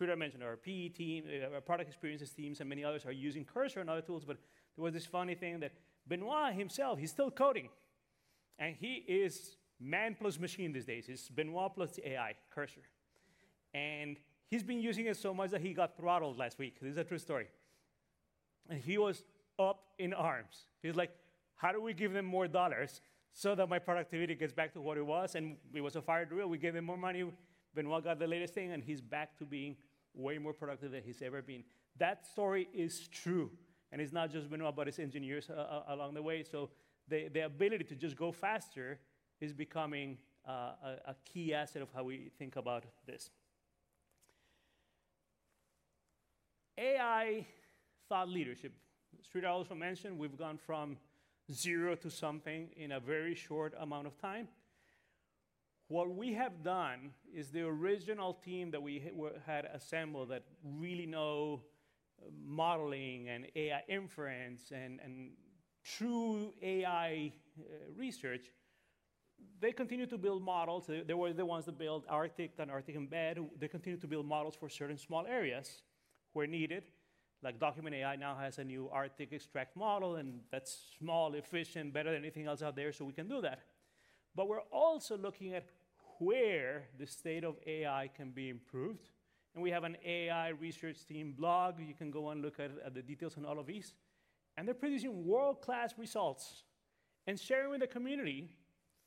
Sridhar mentioned our PE team, our product experiences teams, and many others are using Cursor and other tools. There was this funny thing that Benoit himself, he's still coding. He is man plus machine these days. It's Benoit plus AI, Cursor. He's been using it so much that he got throttled last week. This is a true story. He was up in arms. He's like, "How do we give them more dollars so that my productivity gets back to what it was?" It was a fire drill. We gave them more money. Benoit got the latest thing. He's back to being way more productive than he's ever been. That story is true. It's not just Benoit, but it's engineers along the way. The ability to just go faster is becoming a key asset of how we think about this. AI thought leadership. Sridhar also mentioned we've gone from zero to something in a very short amount of time. What we have done is the original team that we had assembled that really know modeling and AI inference and true AI research, they continue to build models. They were the ones that built Arctic and Arctic Embed. They continue to build models for certain small areas where needed. Like Document AI now has a new Arctic Extract model. That is small, efficient, better than anything else out there. We can do that. We are also looking at where the state of AI can be improved. We have an AI research team blog. You can go and look at the details on all of these. They are producing world-class results and sharing with the community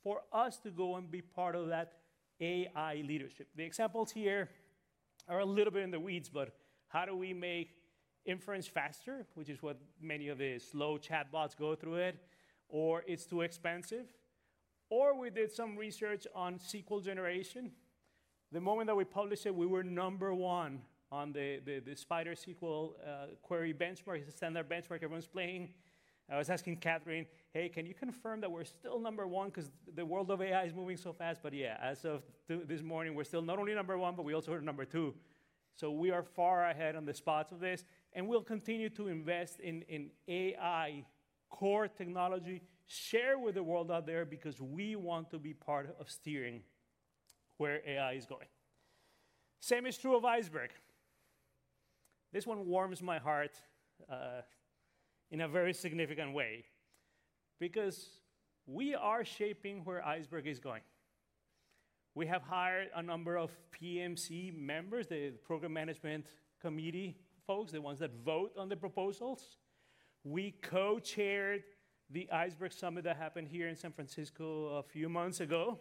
for us to go and be part of that AI leadership. The examples here are a little bit in the weeds, but how do we make inference faster, which is what many of the slow chatbots go through, or it is too expensive? We did some research on SQL generation. The moment that we published it, we were number one on the Spider SQL query benchmark, the standard benchmark everyone is playing. I was asking Katherine, "Hey, can you confirm that we're still number one? Because the world of AI is moving so fast." Yeah, as of this morning, we're still not only number one, but we also are number two. We are far ahead on the spots of this. We will continue to invest in AI core technology shared with the world out there because we want to be part of steering where AI is going. The same is true of Iceberg. This one warms my heart in a very significant way because we are shaping where Iceberg is going. We have hired a number of PMC members, the program management committee folks, the ones that vote on the proposals. We co-chaired the Iceberg Summit that happened here in San Francisco a few months ago.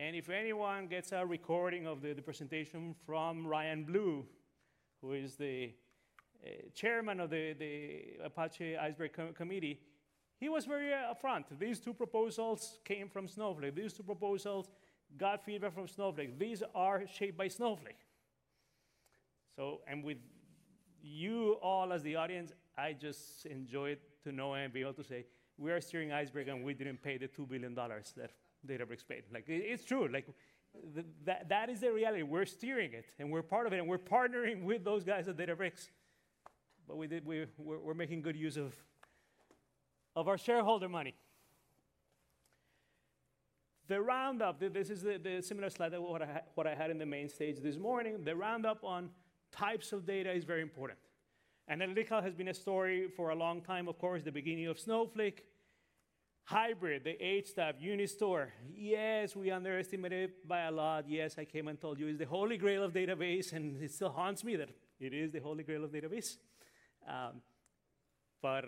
If anyone gets a recording of the presentation from Ryan Blue, who is the chairman of the Apache Iceberg committee, he was very upfront. These two proposals came from Snowflake. These two proposals got feedback from Snowflake. These are shaped by Snowflake. With you all as the audience, I just enjoyed to know and be able to say we are steering Iceberg and we did not pay the $2 billion that Databricks paid. It is true. That is the reality. We are steering it. We are part of it. We are partnering with those guys at Databricks. We are making good use of our shareholder money. The roundup, this is the similar slide to what I had in the main stage this morning. The roundup on types of data is very important. Analytica has been a story for a long time, of course, the beginning of Snowflake, hybrid, the HTAP, Unistore. Yes, we underestimated it by a lot. Yes, I came and told you it's the Holy Grail of database. And it still haunts me that it is the Holy Grail of database. But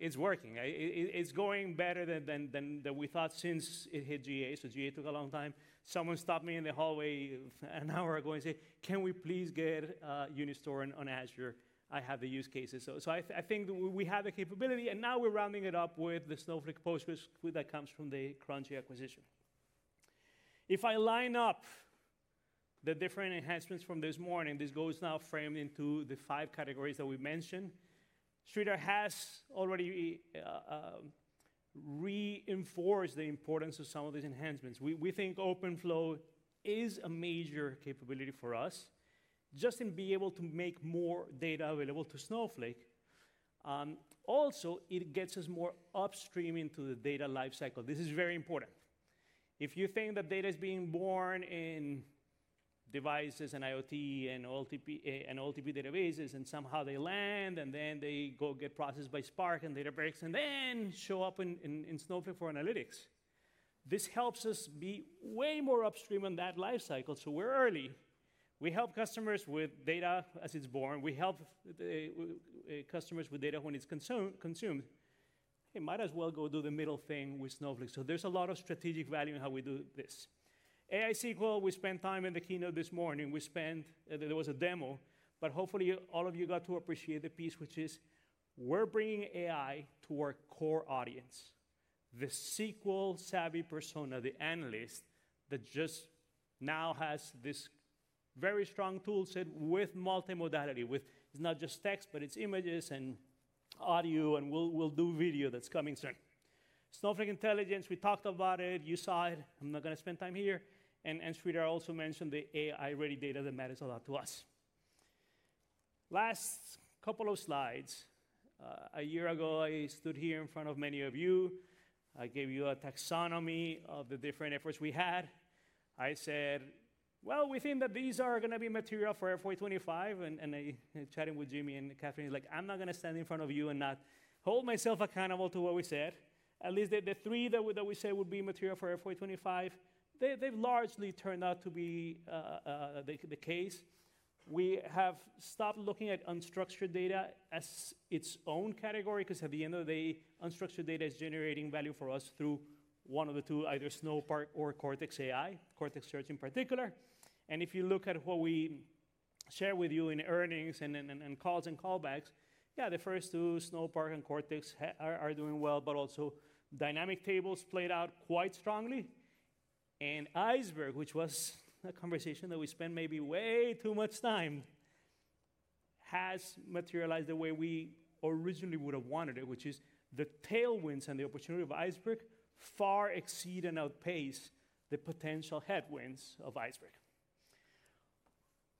it's working. It's going better than we thought since it hit GA. GA took a long time. Someone stopped me in the hallway an hour ago and said, "Can we please get Unistore on Azure? I have the use cases." I think we have a capability. Now we're rounding it up with the Snowflake Postgres that comes from the Crunchy acquisition. If I line up the different enhancements from this morning, this goes now framed into the five categories that we mentioned. Sridhar has already reinforced the importance of some of these enhancements. We think Openflow is a major capability for us just in being able to make more data available to Snowflake. Also, it gets us more upstream into the data lifecycle. This is very important. If you think that data is being born in devices and IoT and OLTP databases and somehow they land and then they go get processed by Spark and Databricks and then show up in Snowflake for analytics, this helps us be way more upstream on that lifecycle. We're early. We help customers with data as it's born. We help customers with data when it's consumed. It might as well go do the middle thing with Snowflake. There's a lot of strategic value in how we do this. AI SQL, we spent time in the keynote this morning. There was a demo. Hopefully, all of you got to appreciate the piece, which is we're bringing AI to our core audience, the SQL-savvy persona, the analyst that just now has this very strong toolset with multimodality. It's not just text, but it's images and audio. We'll do video, that's coming soon. Snowflake Intelligence, we talked about it. You saw it. I'm not going to spend time here. Sridhar also mentioned the AI-ready data that matters a lot to us. Last couple of slides. A year ago, I stood here in front of many of you. I gave you a taxonomy of the different efforts we had. I said, "We think that these are going to be material for FY2025." Chatting with Jimmy and Katherine, he's like, "I'm not going to stand in front of you and not hold myself accountable to what we said. At least the three that we say would be material for FY2025, they've largely turned out to be the case. We have stopped looking at unstructured data as its own category because at the end of the day, unstructured data is generating value for us through one of the two, either Snowpark or Cortex AI, Cortex Search in particular. If you look at what we share with you in earnings and calls and callbacks, yeah, the first two, Snowpark and Cortex, are doing well. Also, Dynamic Tables played out quite strongly. Iceberg, which was a conversation that we spent maybe way too much time, has materialized the way we originally would have wanted it, which is the tailwinds and the opportunity of Iceberg far exceed and outpace the potential headwinds of Iceberg.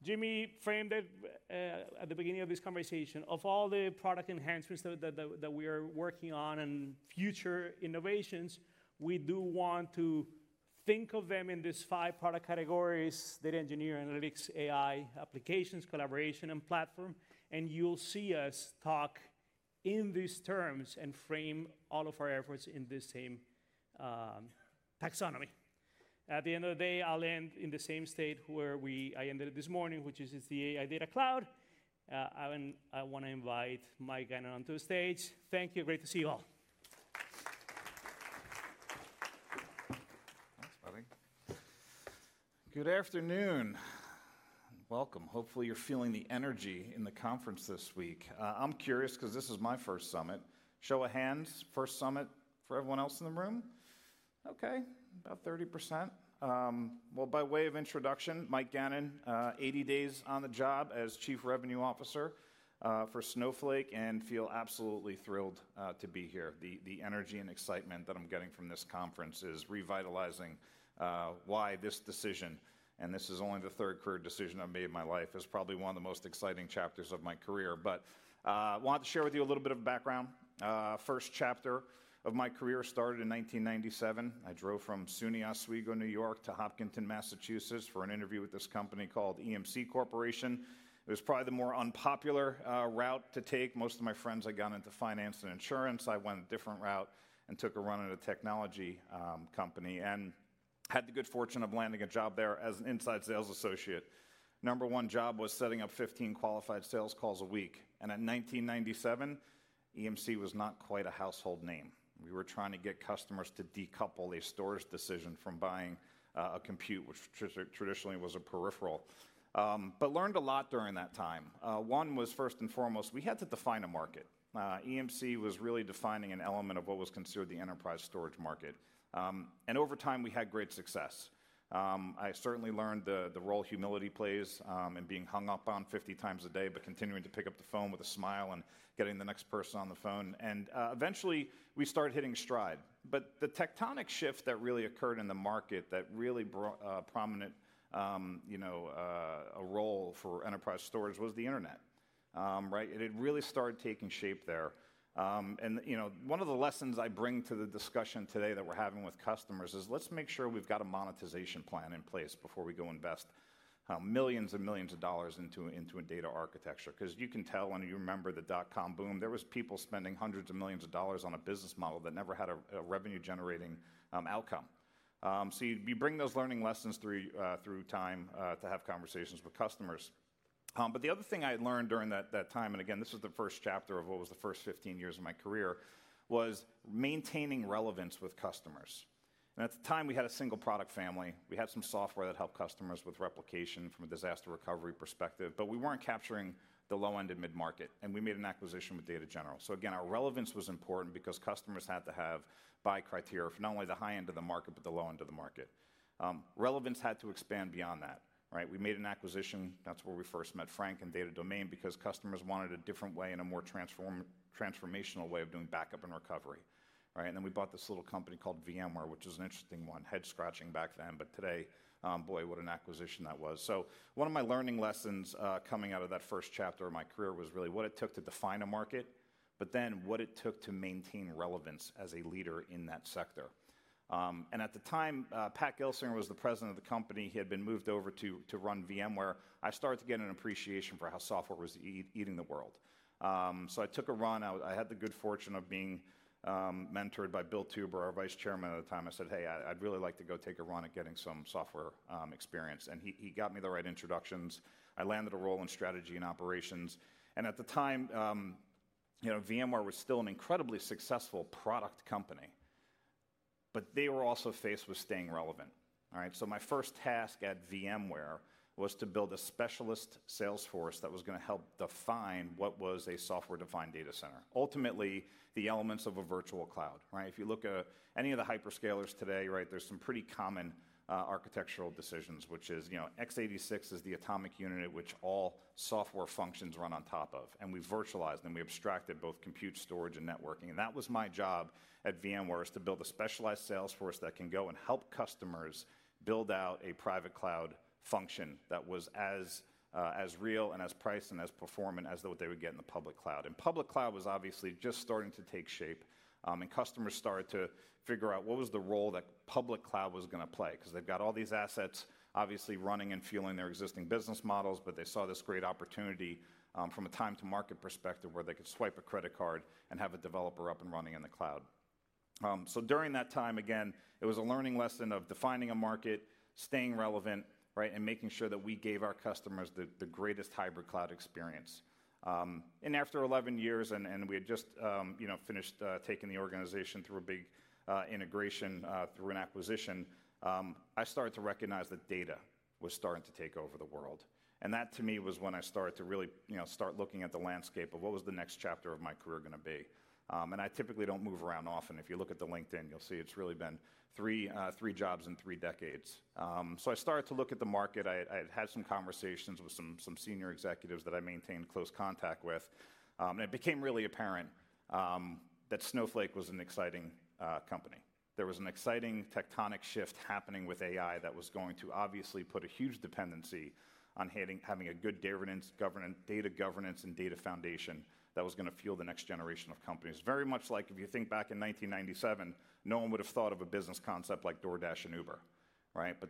Jimmy framed it at the beginning of this conversation. Of all the product enhancements that we are working on and future innovations, we do want to think of them in these five product categories: data engineer, analytics, AI, applications, collaboration, and platform. You will see us talk in these terms and frame all of our efforts in this same taxonomy. At the end of the day, I will end in the same state where I ended it this morning, which is the AI Data Cloud. I want to invite Mike Gannon onto the stage. Thank you. Great to see you all.
Thanks, buddy. Good afternoon. Welcome. Hopefully, you are feeling the energy in the conference this week. I am curious because this is my first summit. Show of hands. First summit for everyone else in the room? Okay. About 30%. By way of introduction, Mike Gannon, 80 days on the job as Chief Revenue Officer for Snowflake and feel absolutely thrilled to be here. The energy and excitement that I'm getting from this conference is revitalizing why this decision, and this is only the third career decision I've made in my life, is probably one of the most exciting chapters of my career. I want to share with you a little bit of background. First chapter of my career started in 1997. I drove from SUNY Oswego, New York, to Hopkinton, Massachusetts, for an interview with this company called EMC Co. It was probably the more unpopular route to take. Most of my friends had gone into finance and insurance. I went a different route and took a run at a technology company and had the good fortune of landing a job there as an inside sales associate. Number one job was setting up 15 qualified sales calls a week. In 1997, EMC was not quite a household name. We were trying to get customers to decouple a storage decision from buying a compute, which traditionally was a peripheral. Learned a lot during that time. One was first and foremost, we had to define a market. EMC was really defining an element of what was considered the enterprise storage market. Over time, we had great success. I certainly learned the role humility plays and being hung up on 50 times a day, but continuing to pick up the phone with a smile and getting the next person on the phone. Eventually, we started hitting stride. The tectonic shift that really occurred in the market that really brought prominent role for enterprise storage was the internet. It had really started taking shape there. One of the lessons I bring to the discussion today that we're having with customers is let's make sure we've got a monetization plan in place before we go invest millions and millions of dollars into a data architecture. Because you can tell when you remember the dot-com boom, there were people spending hundreds of millions of dollars on a business model that never had a revenue-generating outcome. You bring those learning lessons through time to have conversations with customers. The other thing I learned during that time, and again, this is the first chapter of what was the first 15 years of my career, was maintaining relevance with customers. At the time, we had a single product family. We had some software that helped customers with replication from a disaster recovery perspective. We were not capturing the low-end and mid-market. We made an acquisition with Data General. Again, our relevance was important because customers had to have buy criteria for not only the high end of the market, but the low end of the market. Relevance had to expand beyond that. We made an acquisition. That is where we first met Frank and Data Domain because customers wanted a different way and a more transformational way of doing backup and recovery. We bought this little company called VMware, which is an interesting one, head-scratching back then. Today, boy, what an acquisition that was. One of my learning lessons coming out of that first chapter of my career was really what it took to define a market, but then what it took to maintain relevance as a leader in that sector. At the time, Pat Gelsinger was the President of the company. He had been moved over to run VMware. I started to get an appreciation for how software was eating the world. I took a run. I had the good fortune of being mentored by Bill Teuber, our Vice Chairman at the time. I said, "Hey, I'd really like to go take a run at getting some software experience." He got me the right introductions. I landed a role in strategy and operations. At the time, VMware was still an incredibly successful product company. They were also faced with staying relevant. My first task at VMware was to build a specialist salesforce that was going to help define what was a software-defined data center, ultimately the elements of a virtual cloud. If you look at any of the hyperscalers today, there's some pretty common architectural decisions, which is x86 is the atomic unit at which all software functions run on top of. We virtualized and we abstracted both compute, storage, and networking. That was my job at VMware, to build a specialized salesforce that can go and help customers build out a private cloud function that was as real and as priced and as performant as what they would get in the public cloud. Public cloud was obviously just starting to take shape. Customers started to figure out what was the role that public cloud was going to play because they've got all these assets obviously running and fueling their existing business models. They saw this great opportunity from a time-to-market perspective where they could swipe a credit card and have a developer up and running in the cloud. During that time, again, it was a learning lesson of defining a market, staying relevant, and making sure that we gave our customers the greatest hybrid cloud experience. After 11 years, and we had just finished taking the organization through a big integration through an acquisition, I started to recognize that data was starting to take over the world. That, to me, was when I started to really start looking at the landscape of what was the next chapter of my career going to be. I typically do not move around often. If you look at the LinkedIn, you will see it has really been three jobs in three decades. I started to look at the market. I had some conversations with some senior executives that I maintained close contact with. It became really apparent that Snowflake was an exciting company. There was an exciting tectonic shift happening with AI that was going to obviously put a huge dependency on having a good data governance and data foundation that was going to fuel the next generation of companies. Very much like if you think back in 1997, no one would have thought of a business concept like DoorDash and Uber.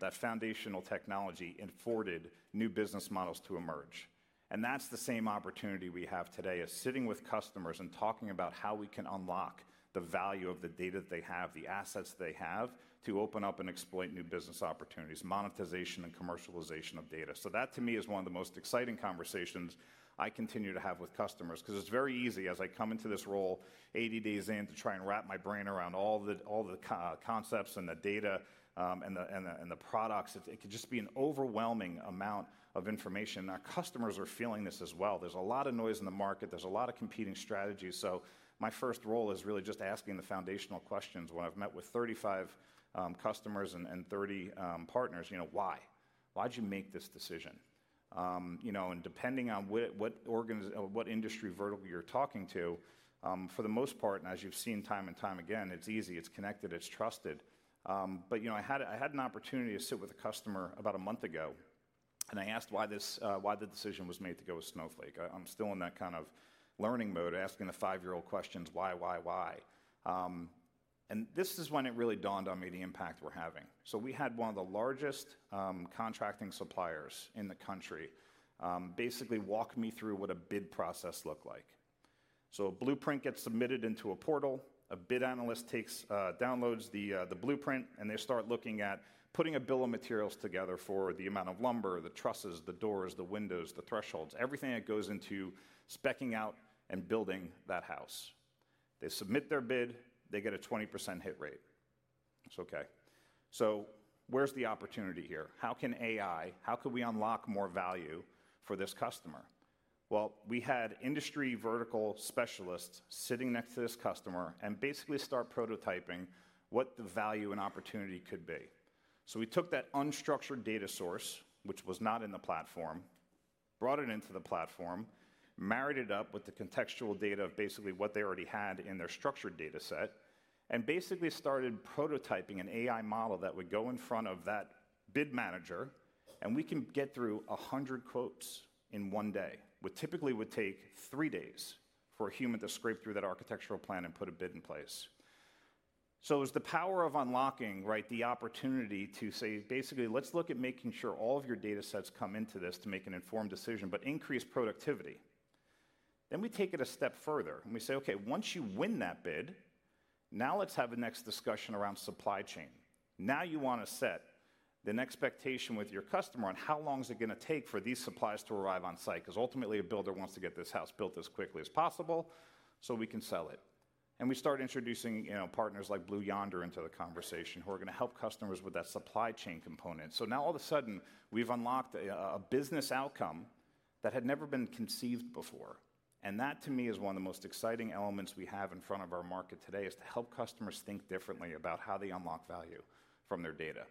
That foundational technology afforded new business models to emerge. That is the same opportunity we have today, sitting with customers and talking about how we can unlock the value of the data that they have, the assets they have to open up and exploit new business opportunities, monetization and commercialization of data. That, to me, is one of the most exciting conversations I continue to have with customers because it's very easy as I come into this role, 80 days in, to try and wrap my brain around all the concepts and the data and the products. It could just be an overwhelming amount of information. Our customers are feeling this as well. There's a lot of noise in the market. There's a lot of competing strategies. My first role is really just asking the foundational questions when I've met with 35 customers and 30 partners. Why? Why did you make this decision? Depending on what industry vertical you're talking to, for the most part, and as you've seen time and time again, it's easy. It's connected. It's trusted. I had an opportunity to sit with a customer about a month ago. I asked why the decision was made to go with Snowflake. I'm still in that kind of learning mode asking the five-year-old questions, why, why, why? This is when it really dawned on me the impact we're having. We had one of the largest contracting suppliers in the country basically walk me through what a bid process looked like. A blueprint gets submitted into a portal. A bid analyst downloads the blueprint. They start looking at putting a bill of materials together for the amount of lumber, the trusses, the doors, the windows, the thresholds, everything that goes into speccing out and building that house. They submit their bid. They get a 20% hit rate. It's okay. Where's the opportunity here? How can AI, how could we unlock more value for this customer? We had industry vertical specialists sitting next to this customer and basically start prototyping what the value and opportunity could be. We took that unstructured data source, which was not in the platform, brought it into the platform, married it up with the contextual data of basically what they already had in their structured data set, and basically started prototyping an AI model that would go in front of that bid manager. We can get through 100 quotes in one day, which typically would take three days for a human to scrape through that architectural plan and put a bid in place. It was the power of unlocking the opportunity to say, basically, let's look at making sure all of your data sets come into this to make an informed decision, but increase productivity. We take it a step further. We say, okay, once you win that bid, now let's have the next discussion around supply chain. Now you want to set the expectation with your customer on how long is it going to take for these supplies to arrive on site because ultimately, a builder wants to get this house built as quickly as possible so we can sell it. We start introducing partners like Blue Yonder into the conversation who are going to help customers with that supply chain component. All of a sudden, we've unlocked a business outcome that had never been conceived before. That, to me, is one of the most exciting elements we have in front of our market today, to help customers think differently about how they unlock value from their data.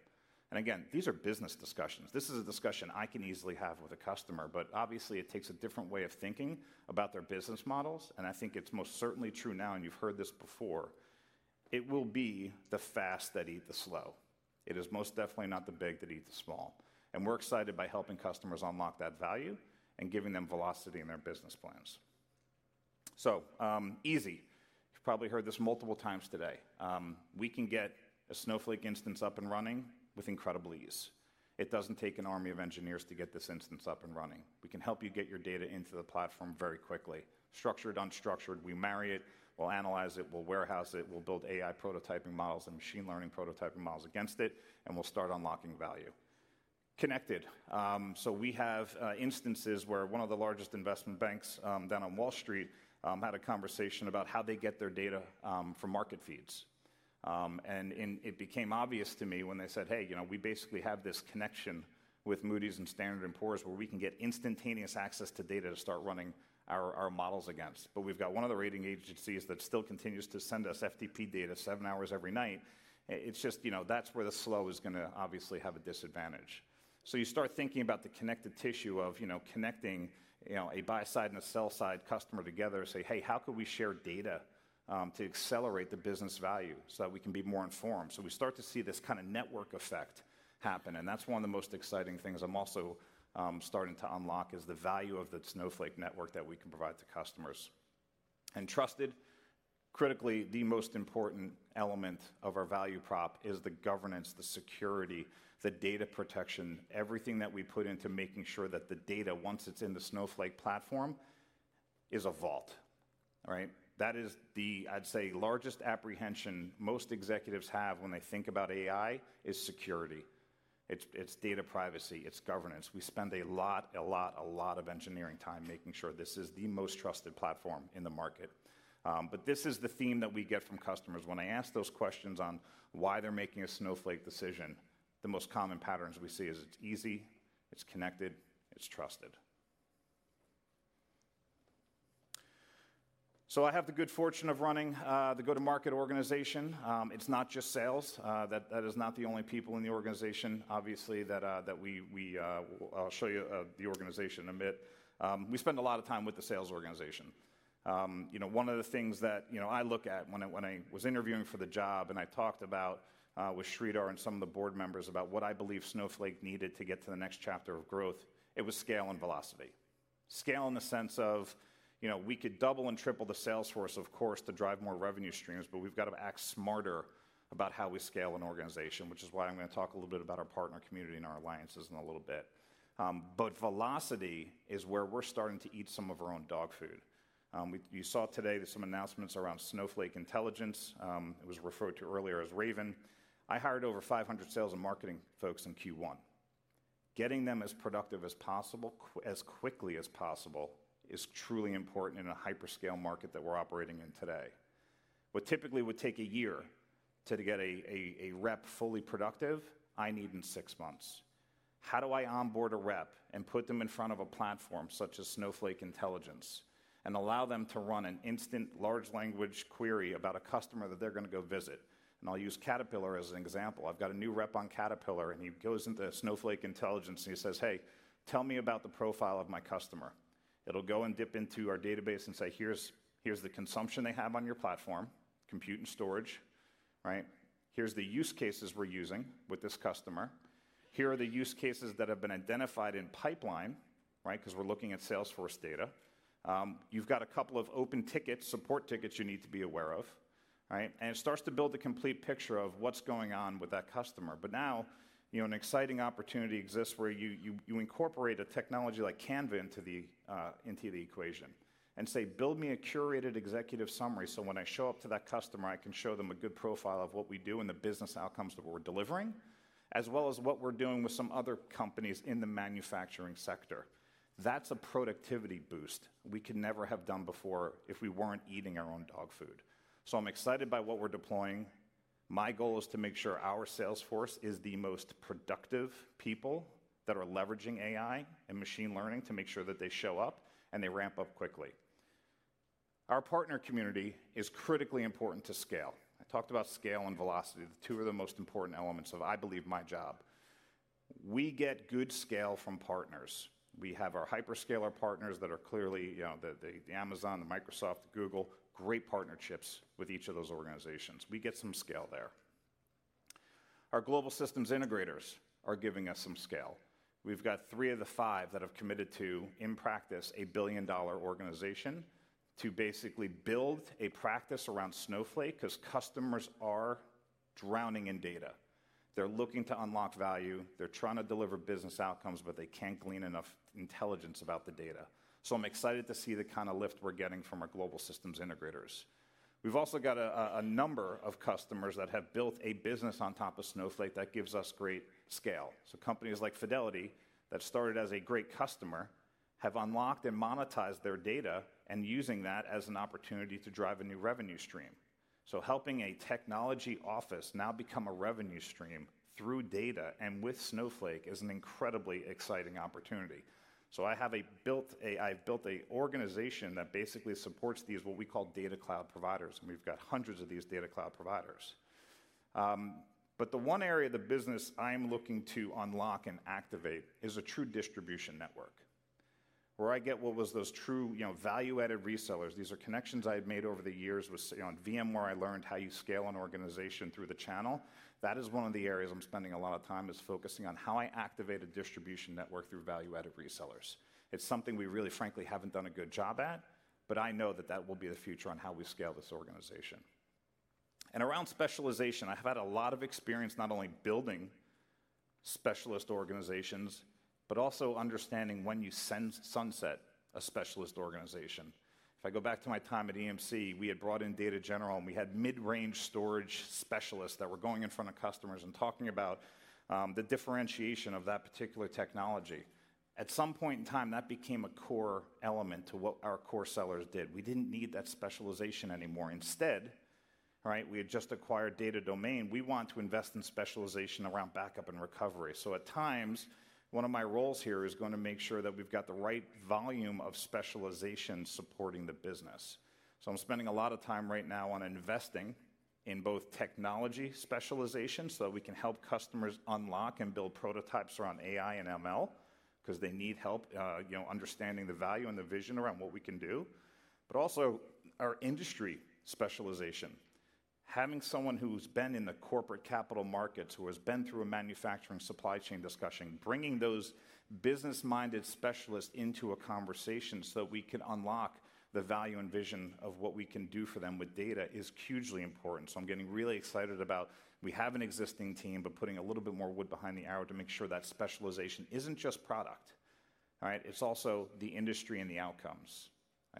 Again, these are business discussions. This is a discussion I can easily have with a customer. Obviously, it takes a different way of thinking about their business models. I think it's most certainly true now, and you've heard this before. It will be the fast that eat the slow. It is most definitely not the big that eat the small. We're excited by helping customers unlock that value and giving them velocity in their business plans. Easy. You've probably heard this multiple times today. We can get a Snowflake instance up and running with incredible ease. It doesn't take an army of engineers to get this instance up and running. We can help you get your data into the platform very quickly, structured, unstructured. We marry it. We'll analyze it. We'll warehouse it. We'll build AI prototyping models and machine learning prototyping models against it. We'll start unlocking value. Connected. We have instances where one of the largest investment banks down on Wall Street had a conversation about how they get their data from market feeds. It became obvious to me when they said, "Hey, we basically have this connection with Moody's and Standard & Poor's where we can get instantaneous access to data to start running our models against." We have one of the rating agencies that still continues to send us FTP data seven hours every night. That is where the slow is going to obviously have a disadvantage. You start thinking about the connective tissue of connecting a buy-side and a sell-side customer together and say, "Hey, how could we share data to accelerate the business value so that we can be more informed?" We start to see this kind of network effect happen. That's one of the most exciting things I'm also starting to unlock is the value of the Snowflake network that we can provide to customers. Trusted, critically, the most important element of our value prop is the governance, the security, the data protection, everything that we put into making sure that the data, once it's in the Snowflake platform, is a vault. That is the, I'd say, largest apprehension most executives have when they think about AI is security. It's data privacy. It's governance. We spend a lot of engineering time making sure this is the most trusted platform in the market. This is the theme that we get from customers. When I ask those questions on why they're making a Snowflake decision, the most common patterns we see is it's easy, it's connected, it's trusted. I have the good fortune of running the go-to-market organization. It's not just sales. That is not the only people in the organization, obviously, that we, I'll show you the organization a bit. We spend a lot of time with the sales organization. One of the things that I look at when I was interviewing for the job and I talked about with Sridhar and some of the board members about what I believe Snowflake needed to get to the next chapter of growth, it was scale and velocity. Scale in the sense of we could double and triple the salesforce, of course, to drive more revenue streams. We've got to act smarter about how we scale an organization, which is why I'm going to talk a little bit about our partner community and our alliances in a little bit. Velocity is where we're starting to eat some of our own dog food. You saw today there's some announcements around Snowflake Intelligence. It was referred to earlier as Raven. I hired over 500 sales and marketing folks in Q1. Getting them as productive as possible, as quickly as possible, is truly important in a hyperscale market that we're operating in today. What typically would take a year to get a rep fully productive, I need in six months. How do I onboard a rep and put them in front of a platform such as Snowflake Intelligence and allow them to run an instant large language query about a customer that they're going to go visit? I'll use Caterpillar as an example. I've got a new rep on Caterpillar. He goes into Snowflake Intelligence and he says, "Hey, tell me about the profile of my customer." It will go and dip into our database and say, "Here's the consumption they have on your platform, compute and storage. Here are the use cases we're using with this customer. Here are the use cases that have been identified in pipeline because we're looking at Salesforce Data. You've got a couple of open support tickets you need to be aware of." It starts to build a complete picture of what's going on with that customer. Now, an exciting opportunity exists where you incorporate a technology like Canva into the equation and say, "Build me a curated executive summary so when I show up to that customer, I can show them a good profile of what we do and the business outcomes that we're delivering, as well as what we're doing with some other companies in the manufacturing sector." That's a productivity boost we could never have done before if we weren't eating our own dog food. I'm excited by what we're deploying. My goal is to make sure our salesforce is the most productive people that are leveraging AI and machine learning to make sure that they show up and they ramp up quickly. Our partner community is critically important to scale. I talked about scale and velocity. The two are the most important elements of, I believe, my job. We get good scale from partners. We have our hyperscaler partners that are clearly the Amazon, the Microsoft, the Google, great partnerships with each of those organizations. We get some scale there. Our global systems integrators are giving us some scale. We've got three of the five that have committed to, in practice, a billion-dollar organization to basically build a practice around Snowflake because customers are drowning in data. They're looking to unlock value. They're trying to deliver business outcomes, but they can't glean enough intelligence about the data. I'm excited to see the kind of lift we're getting from our global systems integrators. We've also got a number of customers that have built a business on top of Snowflake that gives us great scale. Companies like Fidelity that started as a great customer have unlocked and monetized their data and are using that as an opportunity to drive a new revenue stream. Helping a technology office now become a revenue stream through data and with Snowflake is an incredibly exciting opportunity. I have built an organization that basically supports these, what we call data cloud providers. We've got hundreds of these data cloud providers. The one area of the business I'm looking to unlock and activate is a true distribution network where I get what was those true value-added resellers. These are connections I've made over the years with VMware. I learned how you scale an organization through the channel. That is one of the areas I'm spending a lot of time focusing on, how I activate a distribution network through value-added resellers. It's something we really, frankly, haven't done a good job at. I know that that will be the future on how we scale this organization. Around specialization, I've had a lot of experience not only building specialist organizations, but also understanding when you sunset a specialist organization. If I go back to my time at EMC, we had brought in Data General. We had mid-range storage specialists that were going in front of customers and talking about the differentiation of that particular technology. At some point in time, that became a core element to what our core sellers did. We didn't need that specialization anymore. Instead, we had just acquired Data Domain. We want to invest in specialization around backup and recovery. At times, one of my roles here is going to make sure that we've got the right volume of specialization supporting the business. I'm spending a lot of time right now on investing in both technology specialization so that we can help customers unlock and build prototypes around AI and ML because they need help understanding the value and the vision around what we can do, but also our industry specialization. Having someone who's been in the corporate capital markets, who has been through a manufacturing supply chain discussion, bringing those business-minded specialists into a conversation so that we can unlock the value and vision of what we can do for them with data is hugely important. I'm getting really excited about we have an existing team, but putting a little bit more wood behind the arrow to make sure that specialization isn't just product. It's also the industry and the outcomes.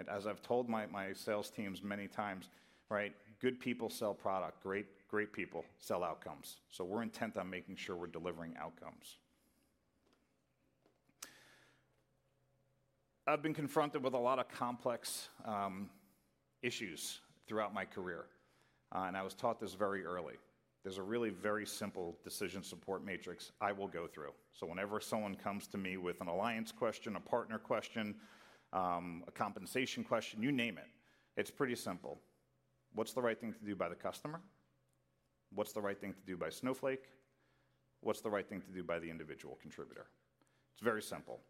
As I've told my sales teams many times, good people sell product. Great people sell outcomes. We're intent on making sure we're delivering outcomes. I've been confronted with a lot of complex issues throughout my career. I was taught this very early. There's a really very simple decision support matrix I will go through. Whenever someone comes to me with an alliance question, a partner question, a compensation question, you name it, it's pretty simple. What's the right thing to do by the customer? What's the right thing to do by Snowflake? What's the right thing to do by the individual contributor? It's very simple.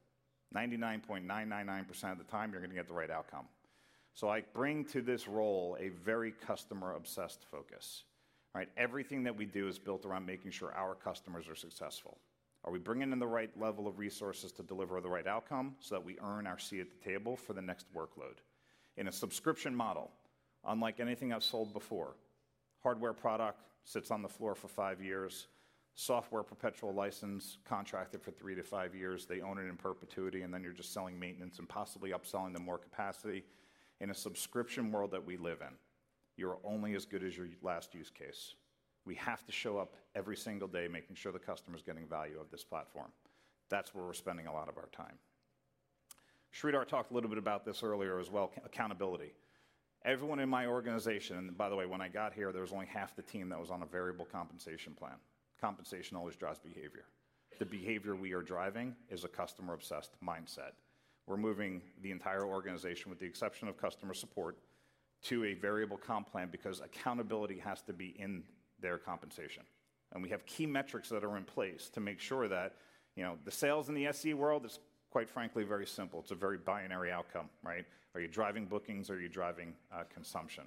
99.999% of the time, you're going to get the right outcome. I bring to this role a very customer-obsessed focus. Everything that we do is built around making sure our customers are successful. Are we bringing in the right level of resources to deliver the right outcome so that we earn our seat at the table for the next workload? In a subscription model, unlike anything I've sold before, hardware product sits on the floor for five years. Software perpetual license contracted for three to five years. They own it in perpetuity. Then you're just selling maintenance and possibly upselling them more capacity. In a subscription world that we live in, you're only as good as your last use case. We have to show up every single day making sure the customer is getting value of this platform. That's where we're spending a lot of our time. Sridhar talked a little bit about this earlier as well, accountability. Everyone in my organization, and by the way, when I got here, there was only half the team that was on a variable compensation plan. Compensation always drives behavior. The behavior we are driving is a customer-obsessed mindset. We are moving the entire organization, with the exception of customer support, to a variable comp plan because accountability has to be in their compensation. We have key metrics that are in place to make sure that the sales in the SE world is, quite frankly, very simple. It is a very binary outcome. Are you driving bookings? Are you driving consumption?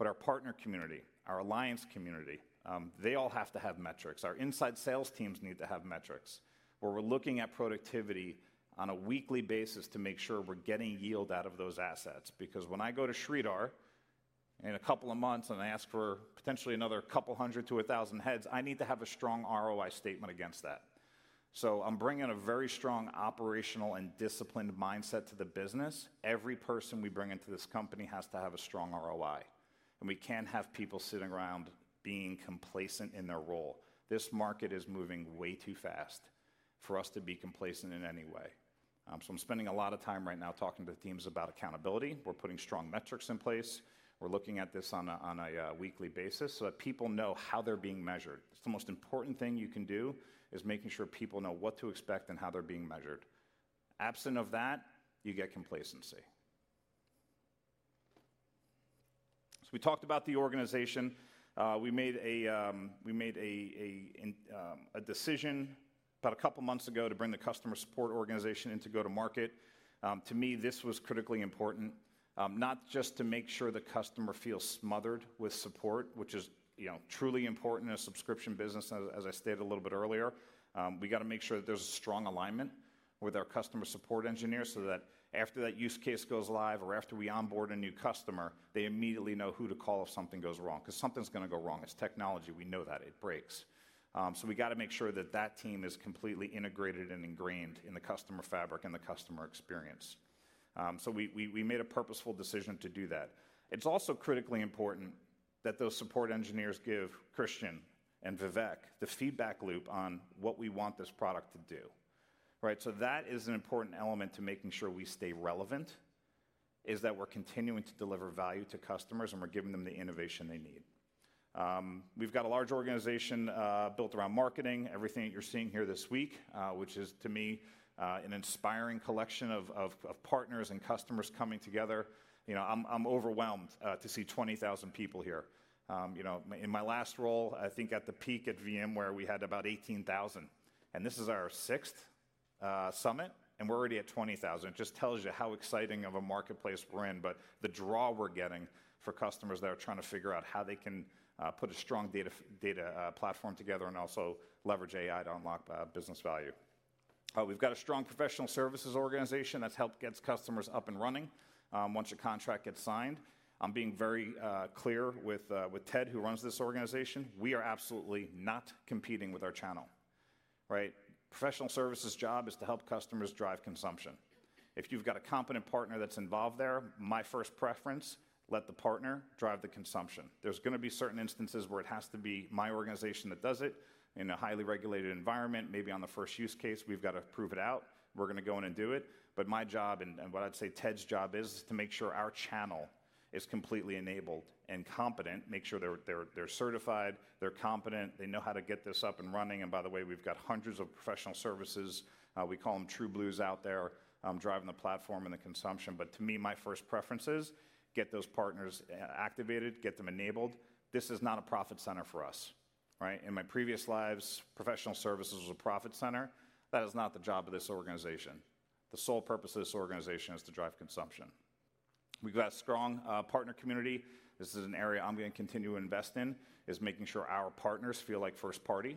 Our partner community, our alliance community, they all have to have metrics. Our inside sales teams need to have metrics where we are looking at productivity on a weekly basis to make sure we are getting yield out of those assets. Because when I go to Sridhar in a couple of months and I ask for potentially another couple hundred to a thousand heads, I need to have a strong ROI statement against that. I'm bringing a very strong operational and disciplined mindset to the business. Every person we bring into this company has to have a strong ROI. We can't have people sitting around being complacent in their role. This market is moving way too fast for us to be complacent in any way. I'm spending a lot of time right now talking to the teams about accountability. We're putting strong metrics in place. We're looking at this on a weekly basis so that people know how they're being measured. It's the most important thing you can do is making sure people know what to expect and how they're being measured. Absent of that, you get complacency. We talked about the organization. We made a decision about a couple of months ago to bring the customer support organization into go-to-market. To me, this was critically important, not just to make sure the customer feels smothered with support, which is truly important in a subscription business, as I stated a little bit earlier. We got to make sure that there's a strong alignment with our customer support engineers so that after that use case goes live or after we onboard a new customer, they immediately know who to call if something goes wrong because something's going to go wrong. It's technology. We know that. It breaks. We got to make sure that that team is completely integrated and ingrained in the customer fabric and the customer experience. We made a purposeful decision to do that. It's also critically important that those support engineers give Christian and Vivek the feedback loop on what we want this product to do. That is an important element to making sure we stay relevant, is that we're continuing to deliver value to customers and we're giving them the innovation they need. We've got a large organization built around marketing. Everything that you're seeing here this week, which is, to me, an inspiring collection of partners and customers coming together, I'm overwhelmed to see 20,000 people here. In my last role, I think at the peak at VMware, we had about 18,000. This is our sixth summit. We're already at 20,000. It just tells you how exciting of a marketplace we're in. The draw we're getting for customers that are trying to figure out how they can put a strong data platform together and also leverage AI to unlock business value. We've got a strong professional services organization that helps get customers up and running once a contract gets signed. I'm being very clear with Ted, who runs this organization. We are absolutely not competing with our channel. Professional services' job is to help customers drive consumption. If you've got a competent partner that's involved there, my first preference, let the partner drive the consumption. There's going to be certain instances where it has to be my organization that does it in a highly regulated environment. Maybe on the first use case, we've got to prove it out. We're going to go in and do it. My job, and what I'd say Ted's job is, is to make sure our channel is completely enabled and competent, make sure they're certified, they're competent, they know how to get this up and running. By the way, we've got hundreds of professional services. We call them true blues out there driving the platform and the consumption. To me, my first preference is get those partners activated, get them enabled. This is not a profit center for us. In my previous lives, professional services was a profit center. That is not the job of this organization. The sole purpose of this organization is to drive consumption. We've got a strong partner community. This is an area I'm going to continue to invest in, is making sure our partners feel like first-party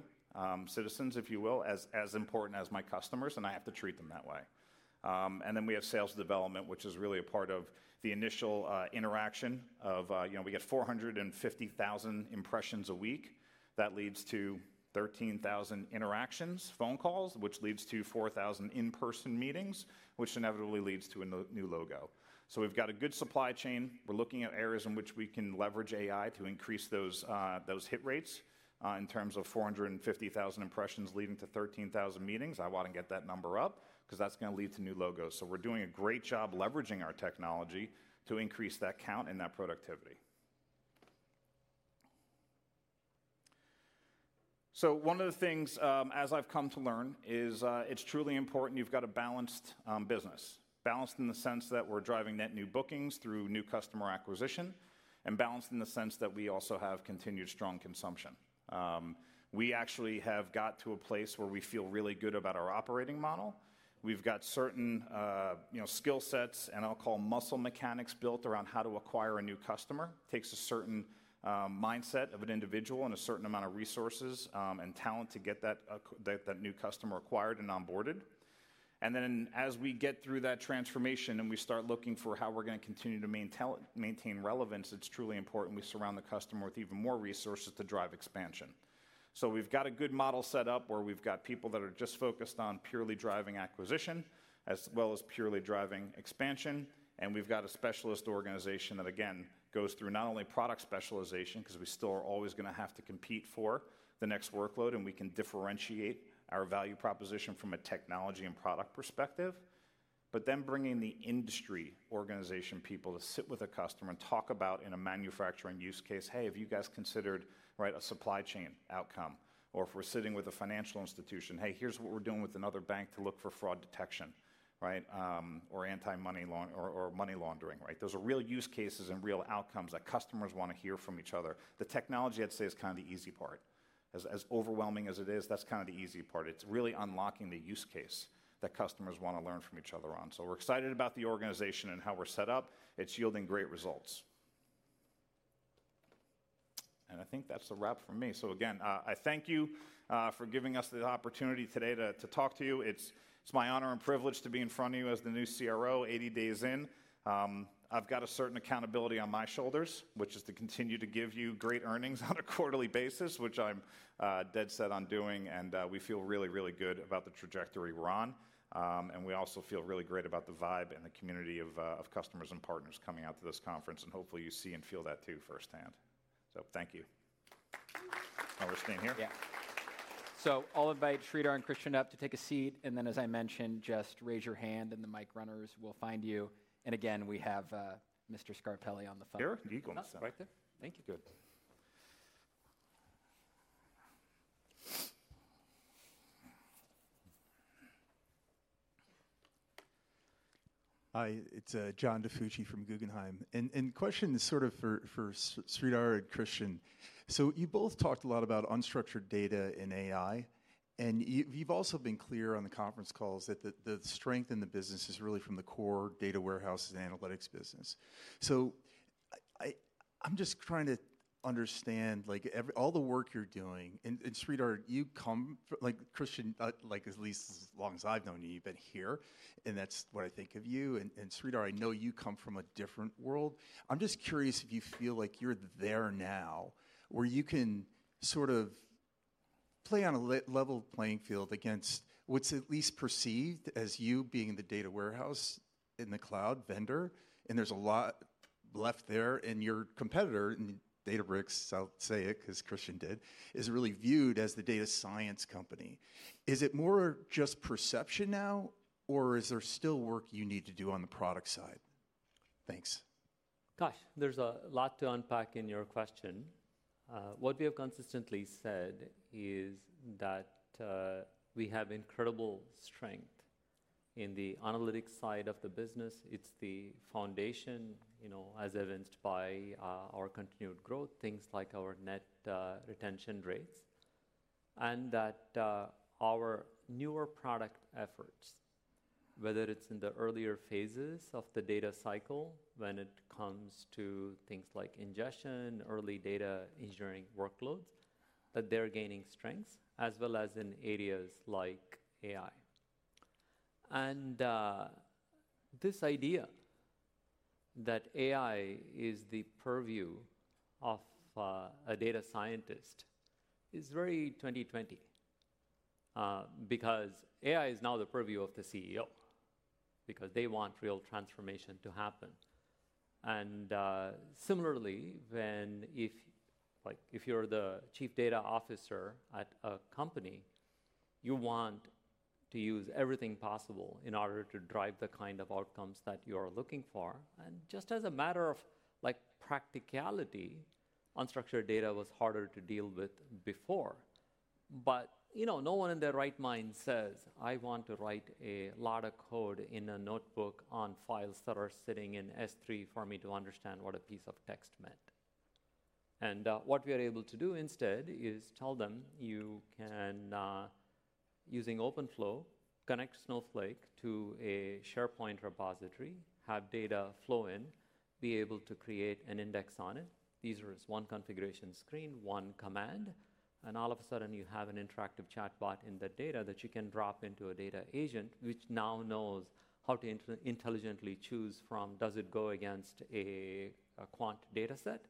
citizens, if you will, as important as my customers. I have to treat them that way. We have sales development, which is really a part of the initial interaction of we get 450,000 impressions a week. That leads to 13,000 interactions, phone calls, which leads to 4,000 in-person meetings, which inevitably leads to a new logo. We have a good supply chain. We're looking at areas in which we can leverage AI to increase those hit rates in terms of 450,000 impressions leading to 13,000 meetings. I want to get that number up because that's going to lead to new logos. We're doing a great job leveraging our technology to increase that count and that productivity. One of the things, as I've come to learn, is it's truly important you've got a balanced business, balanced in the sense that we're driving net new bookings through new customer acquisition and balanced in the sense that we also have continued strong consumption. We actually have got to a place where we feel really good about our operating model. We've got certain skill sets and I'll call muscle mechanics built around how to acquire a new customer. It takes a certain mindset of an individual and a certain amount of resources and talent to get that new customer acquired and onboarded. As we get through that transformation and we start looking for how we're going to continue to maintain relevance, it's truly important we surround the customer with even more resources to drive expansion. We've got a good model set up where we've got people that are just focused on purely driving acquisition as well as purely driving expansion. We've got a specialist organization that, again, goes through not only product specialization because we still are always going to have to compete for the next workload, and we can differentiate our value proposition from a technology and product perspective. Then bringing the industry organization people to sit with a customer and talk about in a manufacturing use case, "Hey, have you guys considered a supply chain outcome?" If we're sitting with a financial institution, "Hey, here's what we're doing with another bank to look for fraud detection or anti-money laundering." There are real use cases and real outcomes that customers want to hear from each other. The technology, I'd say, is kind of the easy part. As overwhelming as it is, that's kind of the easy part. It's really unlocking the use case that customers want to learn from each other on. We're excited about the organization and how we're set up. It's yielding great results. I think that's a wrap for me. Again, I thank you for giving us the opportunity today to talk to you. It's my honor and privilege to be in front of you as the new CRO 80 days in. I've got a certain accountability on my shoulders, which is to continue to give you great earnings on a quarterly basis, which I'm dead set on doing. We feel really, really good about the trajectory we're on. We also feel really great about the vibe and the community of customers and partners coming out to this conference. Hopefully, you see and feel that too firsthand. Thank you. Are we staying here?
Yeah. I'll invite Sridhar and Christian up to take a seat. As I mentioned, just raise your hand and the mic runners will find you. We have Mr. Scarpelli on the phone.
Here. Eagle in the center.
Right there. Thank you.
Good.
Hi. It's John Difucci from Guggenheim. And question is sort of for Sridhar and Christian. You both talked a lot about unstructured data in AI. You have also been clear on the conference calls that the strength in the business is really from the core data warehouses and analytics business. I'm just trying to understand all the work you're doing. Sridhar, you come from Christian, at least as long as I've known you, you've been here. That's what I think of you. Sridhar, I know you come from a different world. I'm just curious if you feel like you're there now where you can sort of play on a level playing field against what's at least perceived as you being the data warehouse in the cloud vendor. There's a lot left there. Your competitor, Databricks, I'll say it because Christian did, is really viewed as the data science company. Is it more just perception now, or is there still work you need to do on the product side? Thanks.
Gosh, there's a lot to unpack in your question. What we have consistently said is that we have incredible strength in the analytics side of the business. It's the foundation, as evidenced by our continued growth, things like our net retention rates, and that our newer product efforts, whether it's in the earlier phases of the data cycle when it comes to things like ingestion, early data engineering workloads, that they're gaining strength, as well as in areas like AI. This idea that AI is the purview of a data scientist is very 2020 because AI is now the purview of the CEO because they want real transformation to happen. Similarly, if you're the Chief Data Officer at a company, you want to use everything possible in order to drive the kind of outcomes that you are looking for. Just as a matter of practicality, unstructured data was harder to deal with before. No one in their right mind says, "I want to write a lot of code in a notebook on files that are sitting in S3 for me to understand what a piece of text meant." What we are able to do instead is tell them, "You can, using Openflow, connect Snowflake to a SharePoint repository, have data flow in, be able to create an index on it. These are one configuration screen, one command." All of a sudden, you have an interactive chatbot in the data that you can drop into a data agent, which now knows how to intelligently choose from, does it go against a quant data set,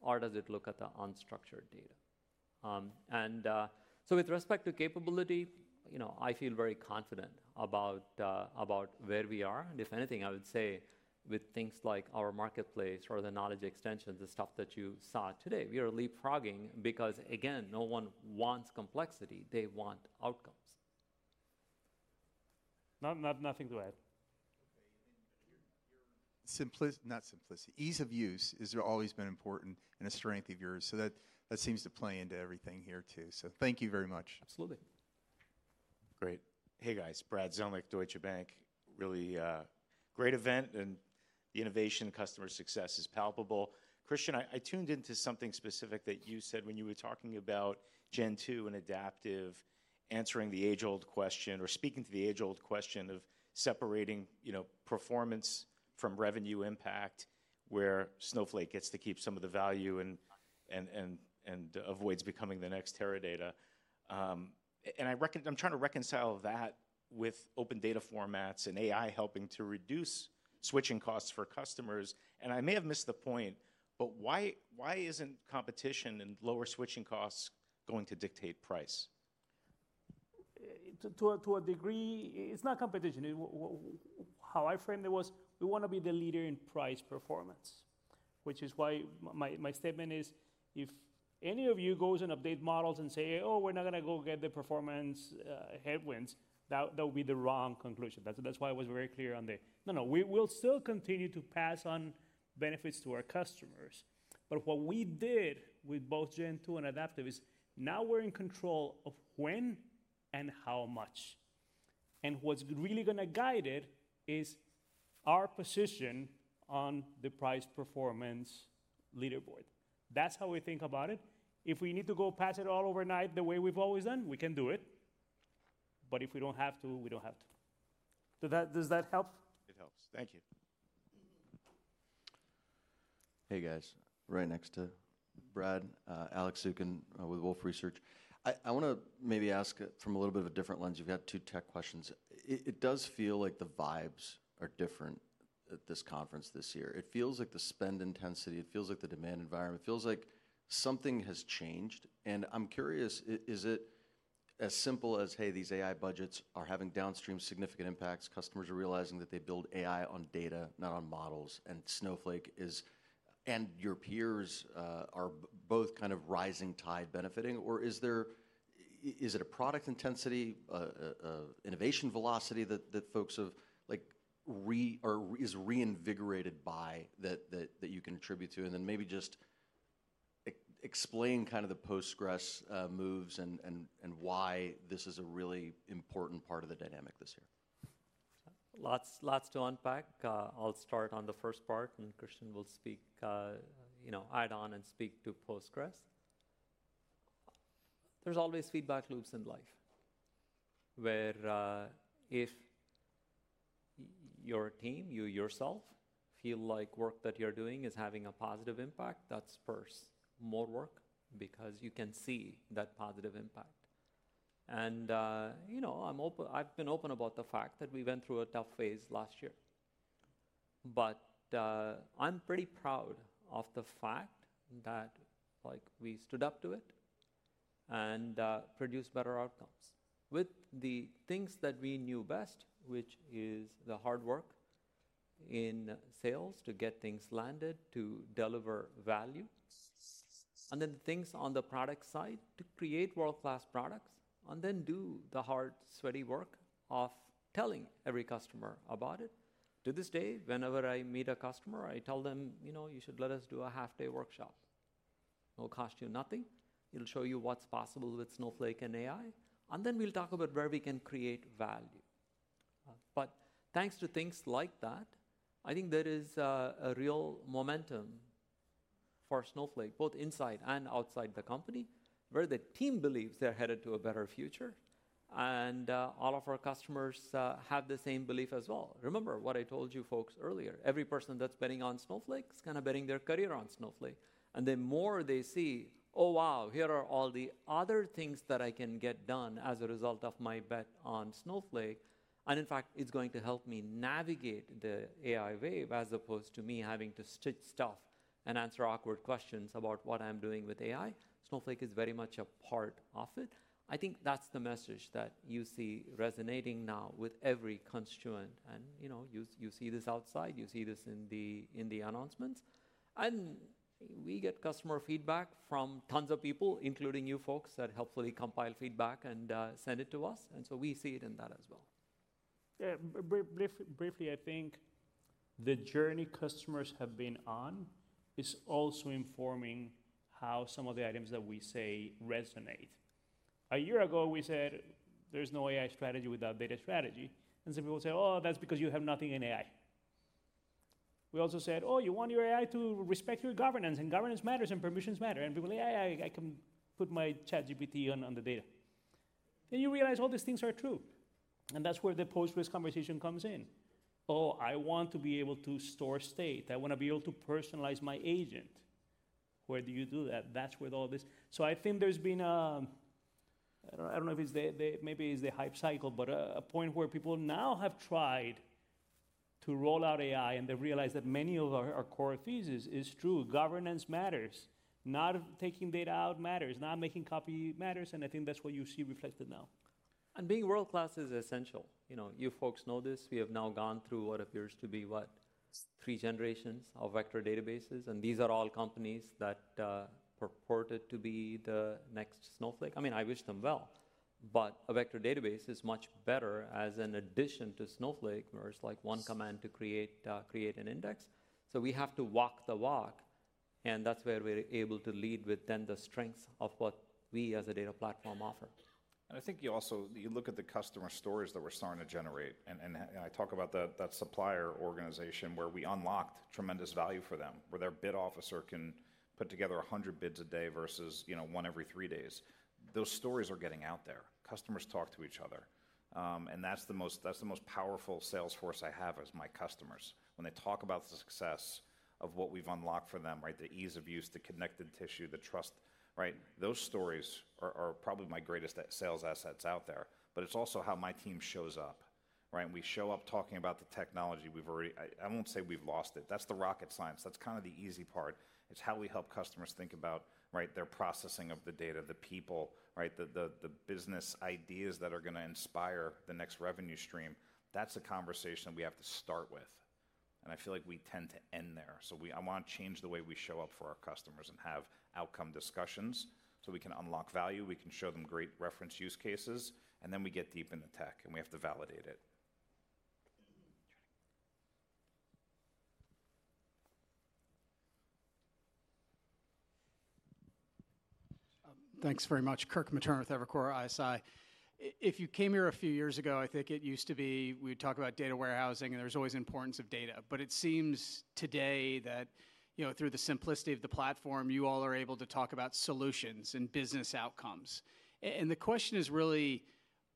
or does it look at the unstructured data. With respect to capability, I feel very confident about where we are. If anything, I would say with things like our marketplace or the knowledge extensions, the stuff that you saw today, we are leapfrogging because, again, no one wants complexity. They want outcomes.
Nothing to add.
Not simplicity, ease of use has always been important and a strength of yours. That seems to play into everything here too. Thank you very much.
Absolutely.
Great. Hey, guys. Brad Zelnick, Deutsche Bank. Really great event. The innovation customer success is palpable. Christian, I tuned into something specific that you said when you were talking about Gen2 and adaptive answering the age-old question or speaking to the age-old question of separating performance from revenue impact where Snowflake gets to keep some of the value and avoids becoming the next Teradata. I'm trying to reconcile that with open data formats and AI helping to reduce switching costs for customers. I may have missed the point, but why isn't competition and lower switching costs going to dictate price?
To a degree, it's not competition. How I framed it was we want to be the leader in price performance, which is why my statement is if any of you goes and update models and say, "Oh, we're not going to go get the performance headwinds," that would be the wrong conclusion. That is why I was very clear on the no, no, we'll still continue to pass on benefits to our customers. What we did with both Gen2 and adaptive is now we're in control of when and how much. What is really going to guide it is our position on the price performance leaderboard. That is how we think about it. If we need to go pass it all overnight the way we've always done, we can do it. If we do not have to, we do not have to. Does that help?
It helps. Thank you.
Hey, guys. Right next to Brad, Alex Zukin with Wolfe Research. I want to maybe ask from a little bit of a different lens. You've got two tech questions. It does feel like the vibes are different at this conference this year. It feels like the spend intensity. It feels like the demand environment. It feels like something has changed. I'm curious, is it as simple as, "Hey, these AI budgets are having downstream significant impacts. Customers are realizing that they build AI on data, not on models." Snowflake and your peers are both kind of rising tide benefiting. Is it a product intensity, innovation velocity that folks are reinvigorated by that you can attribute to? Maybe just explain kind of the post-stress moves and why this is a really important part of the dynamic this year.
Lots to unpack. I'll start on the first part, and Christian will add on and speak to post-stress. There's always feedback loops in life where if your team, you yourself feel like work that you're doing is having a positive impact, that spurs more work because you can see that positive impact. I've been open about the fact that we went through a tough phase last year. I'm pretty proud of the fact that we stood up to it and produced better outcomes with the things that we knew best, which is the hard work in sales to get things landed, to deliver value, and then the things on the product side to create world-class products and then do the hard, sweaty work of telling every customer about it. To this day, whenever I meet a customer, I tell them, "You should let us do a half-day workshop. It'll cost you nothing. It'll show you what's possible with Snowflake and AI. Then we'll talk about where we can create value. Thanks to things like that, I think there is a real momentum for Snowflake both inside and outside the company where the team believes they're headed to a better future. All of our customers have the same belief as well. Remember what I told you folks earlier. Every person that's betting on Snowflake is kind of betting their career on Snowflake. The more they see, "Oh, wow, here are all the other things that I can get done as a result of my bet on Snowflake." In fact, it's going to help me navigate the AI wave as opposed to me having to stitch stuff and answer awkward questions about what I'm doing with AI. Snowflake is very much a part of it. I think that's the message that you see resonating now with every constituent. You see this outside. You see this in the announcements. We get customer feedback from tons of people, including you folks that helpfully compile feedback and send it to us. We see it in that as well.
Yeah. Briefly, I think the journey customers have been on is also informing how some of the items that we say resonate. A year ago, we said, "There's no AI strategy without data strategy." Some people say, "Oh, that's because you have nothing in AI." We also said, "Oh, you want your AI to respect your governance, and governance matters, and permissions matter." People, "Yeah, yeah, I can put my ChatGPT on the data." You realize all these things are true. That is where the post-risk conversation comes in. "Oh, I want to be able to store state. I want to be able to personalize my agent." Where do you do that? That is where all this. I think there's been a, I don't know if it's, maybe it's the hype cycle, but a point where people now have tried to roll out AI, and they realize that many of our core thesis is true. Governance matters. Not taking data out matters. Not making copy matters. I think that's what you see reflected now.
Being world-class is essential. You folks know this. We have now gone through what appears to be, what, three generations of vector databases. These are all companies that purported to be the next Snowflake. I mean, I wish them well. A vector database is much better as an addition to Snowflake where it's like one command to create an index. We have to walk the walk. That's where we're able to lead with the strengths of what we as a data platform offer.
I think you also look at the customer stories that we're starting to generate. I talk about that supplier organization where we unlocked tremendous value for them where their bid officer can put together 100 bids a day versus one every three days. Those stories are getting out there. Customers talk to each other. The most powerful sales force I have is my customers. When they talk about the success of what we've unlocked for them, the ease of use, the connected tissue, the trust, those stories are probably my greatest sales assets out there. It is also how my team shows up. We show up talking about the technology. I won't say we've lost it. That is the rocket science. That is kind of the easy part. It's how we help customers think about their processing of the data, the people, the business ideas that are going to inspire the next revenue stream. That is a conversation we have to start with. I feel like we tend to end there. I want to change the way we show up for our customers and have outcome discussions so we can unlock value. We can show them great reference use cases. Then we get deep into tech, and we have to validate it.
Thanks very much. Kirk Materne with Evercore ISI. If you came here a few years ago, I think it used to be we would talk about data warehousing, and there's always importance of data. It seems today that through the simplicity of the platform, you all are able to talk about solutions and business outcomes. The question is really,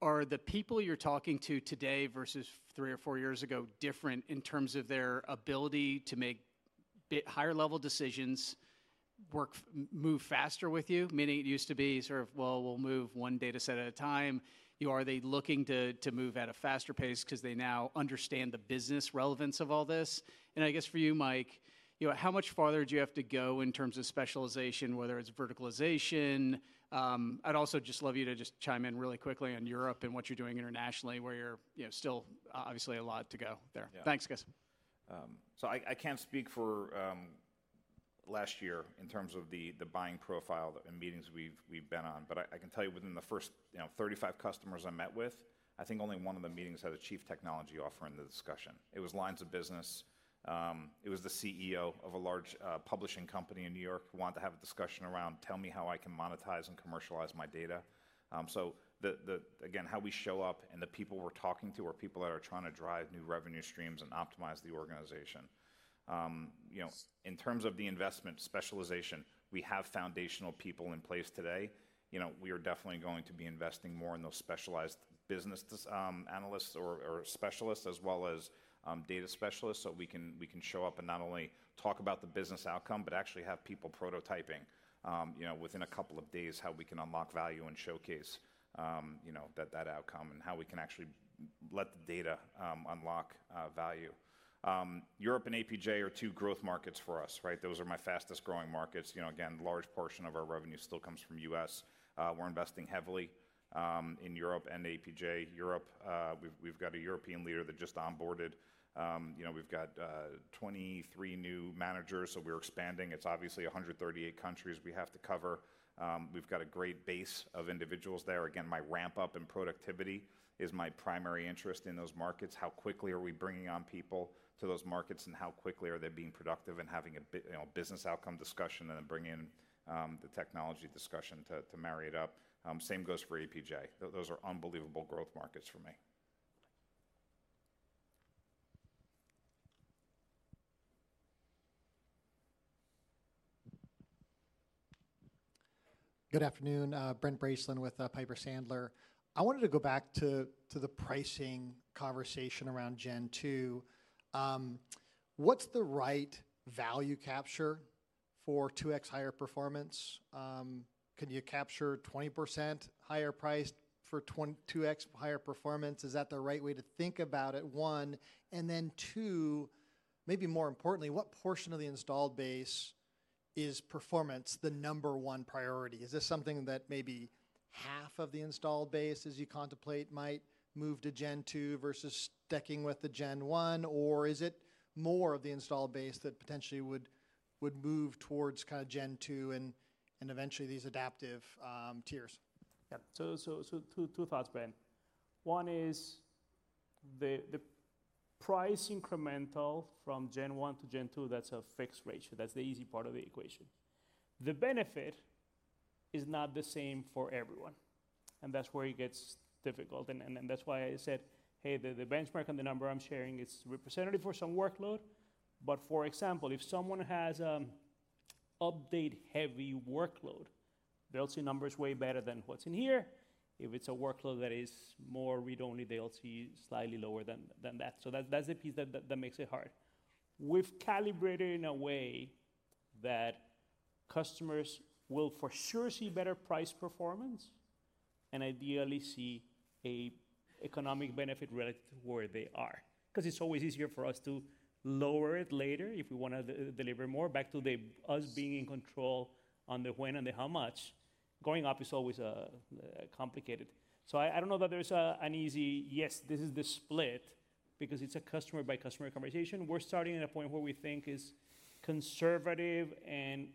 are the people you're talking to today versus three or four years ago different in terms of their ability to make higher-level decisions, move faster with you? Many used to be sort of, "Well, we'll move one data set at a time." Are they looking to move at a faster pace because they now understand the business relevance of all this? I guess for you, Mike, how much farther do you have to go in terms of specialization, whether it's verticalization? I'd also just love you to just chime in really quickly on Europe and what you're doing internationally where you're still obviously a lot to go there. Thanks, guys.
I can't speak for last year in terms of the buying profile and meetings we've been on. I can tell you within the first 35 customers I met with, I think only one of the meetings had a Chief Technology Officer in the discussion. It was lines of business. It was the CEO of a large publishing company in New York who wanted to have a discussion around, "Tell me how I can monetize and commercialize my data." Again, how we show up and the people we're talking to are people that are trying to drive new revenue streams and optimize the organization. In terms of the investment specialization, we have foundational people in place today. We are definitely going to be investing more in those specialized business analysts or specialists as well as data specialists so we can show up and not only talk about the business outcome, but actually have people prototyping within a couple of days how we can unlock value and showcase that outcome and how we can actually let the data unlock value. Europe and APJ are two growth markets for us. Those are my fastest growing markets. Again, a large portion of our revenue still comes from the U.S. We're investing heavily in Europe and APJ. Europe, we've got a European leader that just onboarded. We've got 23 new managers, so we're expanding. It's obviously 138 countries we have to cover. We've got a great base of individuals there. Again, my ramp-up and productivity is my primary interest in those markets. How quickly are we bringing on people to those markets, and how quickly are they being productive and having a business outcome discussion and then bringing in the technology discussion to marry it up? Same goes for APJ. Those are unbelievable growth markets for me.
Good afternoon. Brent Bracelin with Piper Sandler. I wanted to go back to the pricing conversation around Gen2. What's the right value capture for 2x higher performance? Can you capture 20% higher price for 2x higher performance? Is that the right way to think about it? One. Then two, maybe more importantly, what portion of the installed base is performance the number one priority? Is this something that maybe half of the installed base as you contemplate might move to Gen2 versus sticking with the Gen1? Or is it more of the installed base that potentially would move towards kind of Gen2 and eventually these adaptive tiers?
Yeah. Two thoughts, Brand. One is the price incremental from Gen1 to Gen2, that's a fixed ratio. That's the easy part of the equation. The benefit is not the same for everyone. That's where it gets difficult. That's why I said, "Hey, the benchmark and the number I'm sharing is representative for some workload." For example, if someone has an update-heavy workload, they'll see numbers way better than what's in here. If it's a workload that is more read-only, they'll see slightly lower than that. That's the piece that makes it hard. We've calibrated in a way that customers will for sure see better price performance and ideally see an economic benefit relative to where they are. It's always easier for us to lower it later if we want to deliver more. Back to us being in control on the when and the how much, going up is always complicated. I do not know that there is an easy, "Yes, this is the split," because it is a customer-by-customer conversation. We are starting at a point where we think is conservative and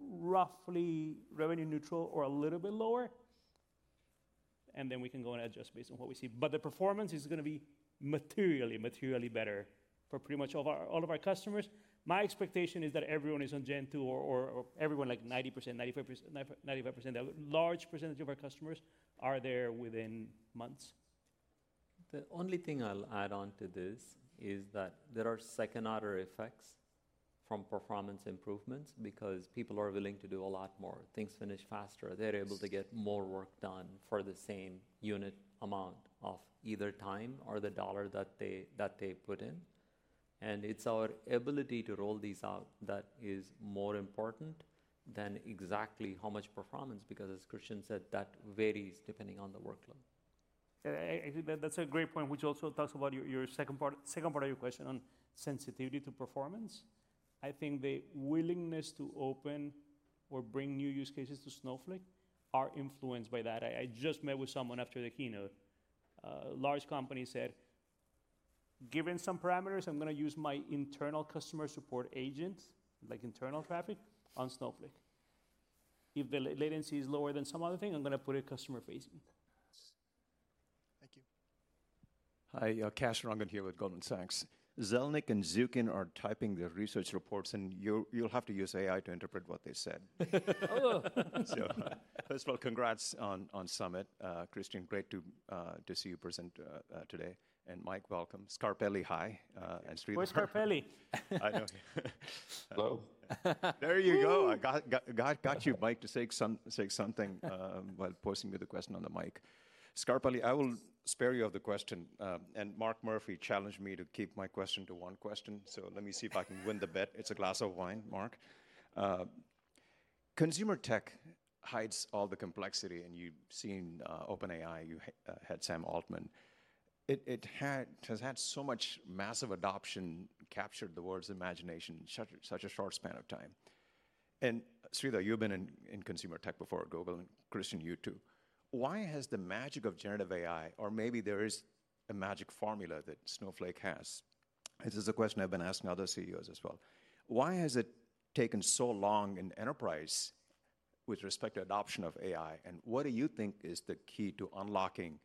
roughly revenue neutral or a little bit lower. We can go and adjust based on what we see. The performance is going to be materially, materially better for pretty much all of our customers. My expectation is that everyone is on Gen2 or everyone, like 90%, 95%, 95%, a large percentage of our customers are there within months.
The only thing I'll add on to this is that there are second-order effects from performance improvements because people are willing to do a lot more. Things finish faster. They're able to get more work done for the same unit amount of either time or the dollar that they put in. It is our ability to roll these out that is more important than exactly how much performance because, as Christian said, that varies depending on the workload.
That's a great point, which also talks about your second part of your question on sensitivity to performance. I think the willingness to open or bring new use cases to Snowflake are influenced by that. I just met with someone after the keynote. A large company said, "Given some parameters, I'm going to use my internal customer support agent, like internal traffic, on Snowflake. If the latency is lower than some other thing, I'm going to put a customer facing.
Thank you.
Hi, Kash Rangan here with Goldman Sachs. Zelnick and Zukin are typing their research reports, and you'll have to use AI to interpret what they said. First of all, congrats on Summit, Christian. Great to see you present today. And Mike, welcome. Scarpelli, hi.
Where's Scarpelli?
Hello.
There you go. Got you, Mike, to say something while posing me the question on the mic. Scarpelli, I will spare you of the question. Mark Murphy challenged me to keep my question to one question. Let me see if I can win the bet. It is a glass of wine, Mark. Consumer tech hides all the complexity. You have seen OpenAI. You had Sam Altman. It has had so much massive adoption, captured the world's imagination in such a short span of time. Sridhar, you have been in consumer tech before, at Google. Christian, you too. Why has the magic of generative AI, or maybe there is a magic formula that Snowflake has? This is a question I have been asking other CEOs as well. Why has it taken so long in enterprise with respect to adoption of AI? What do you think is the key to unlocking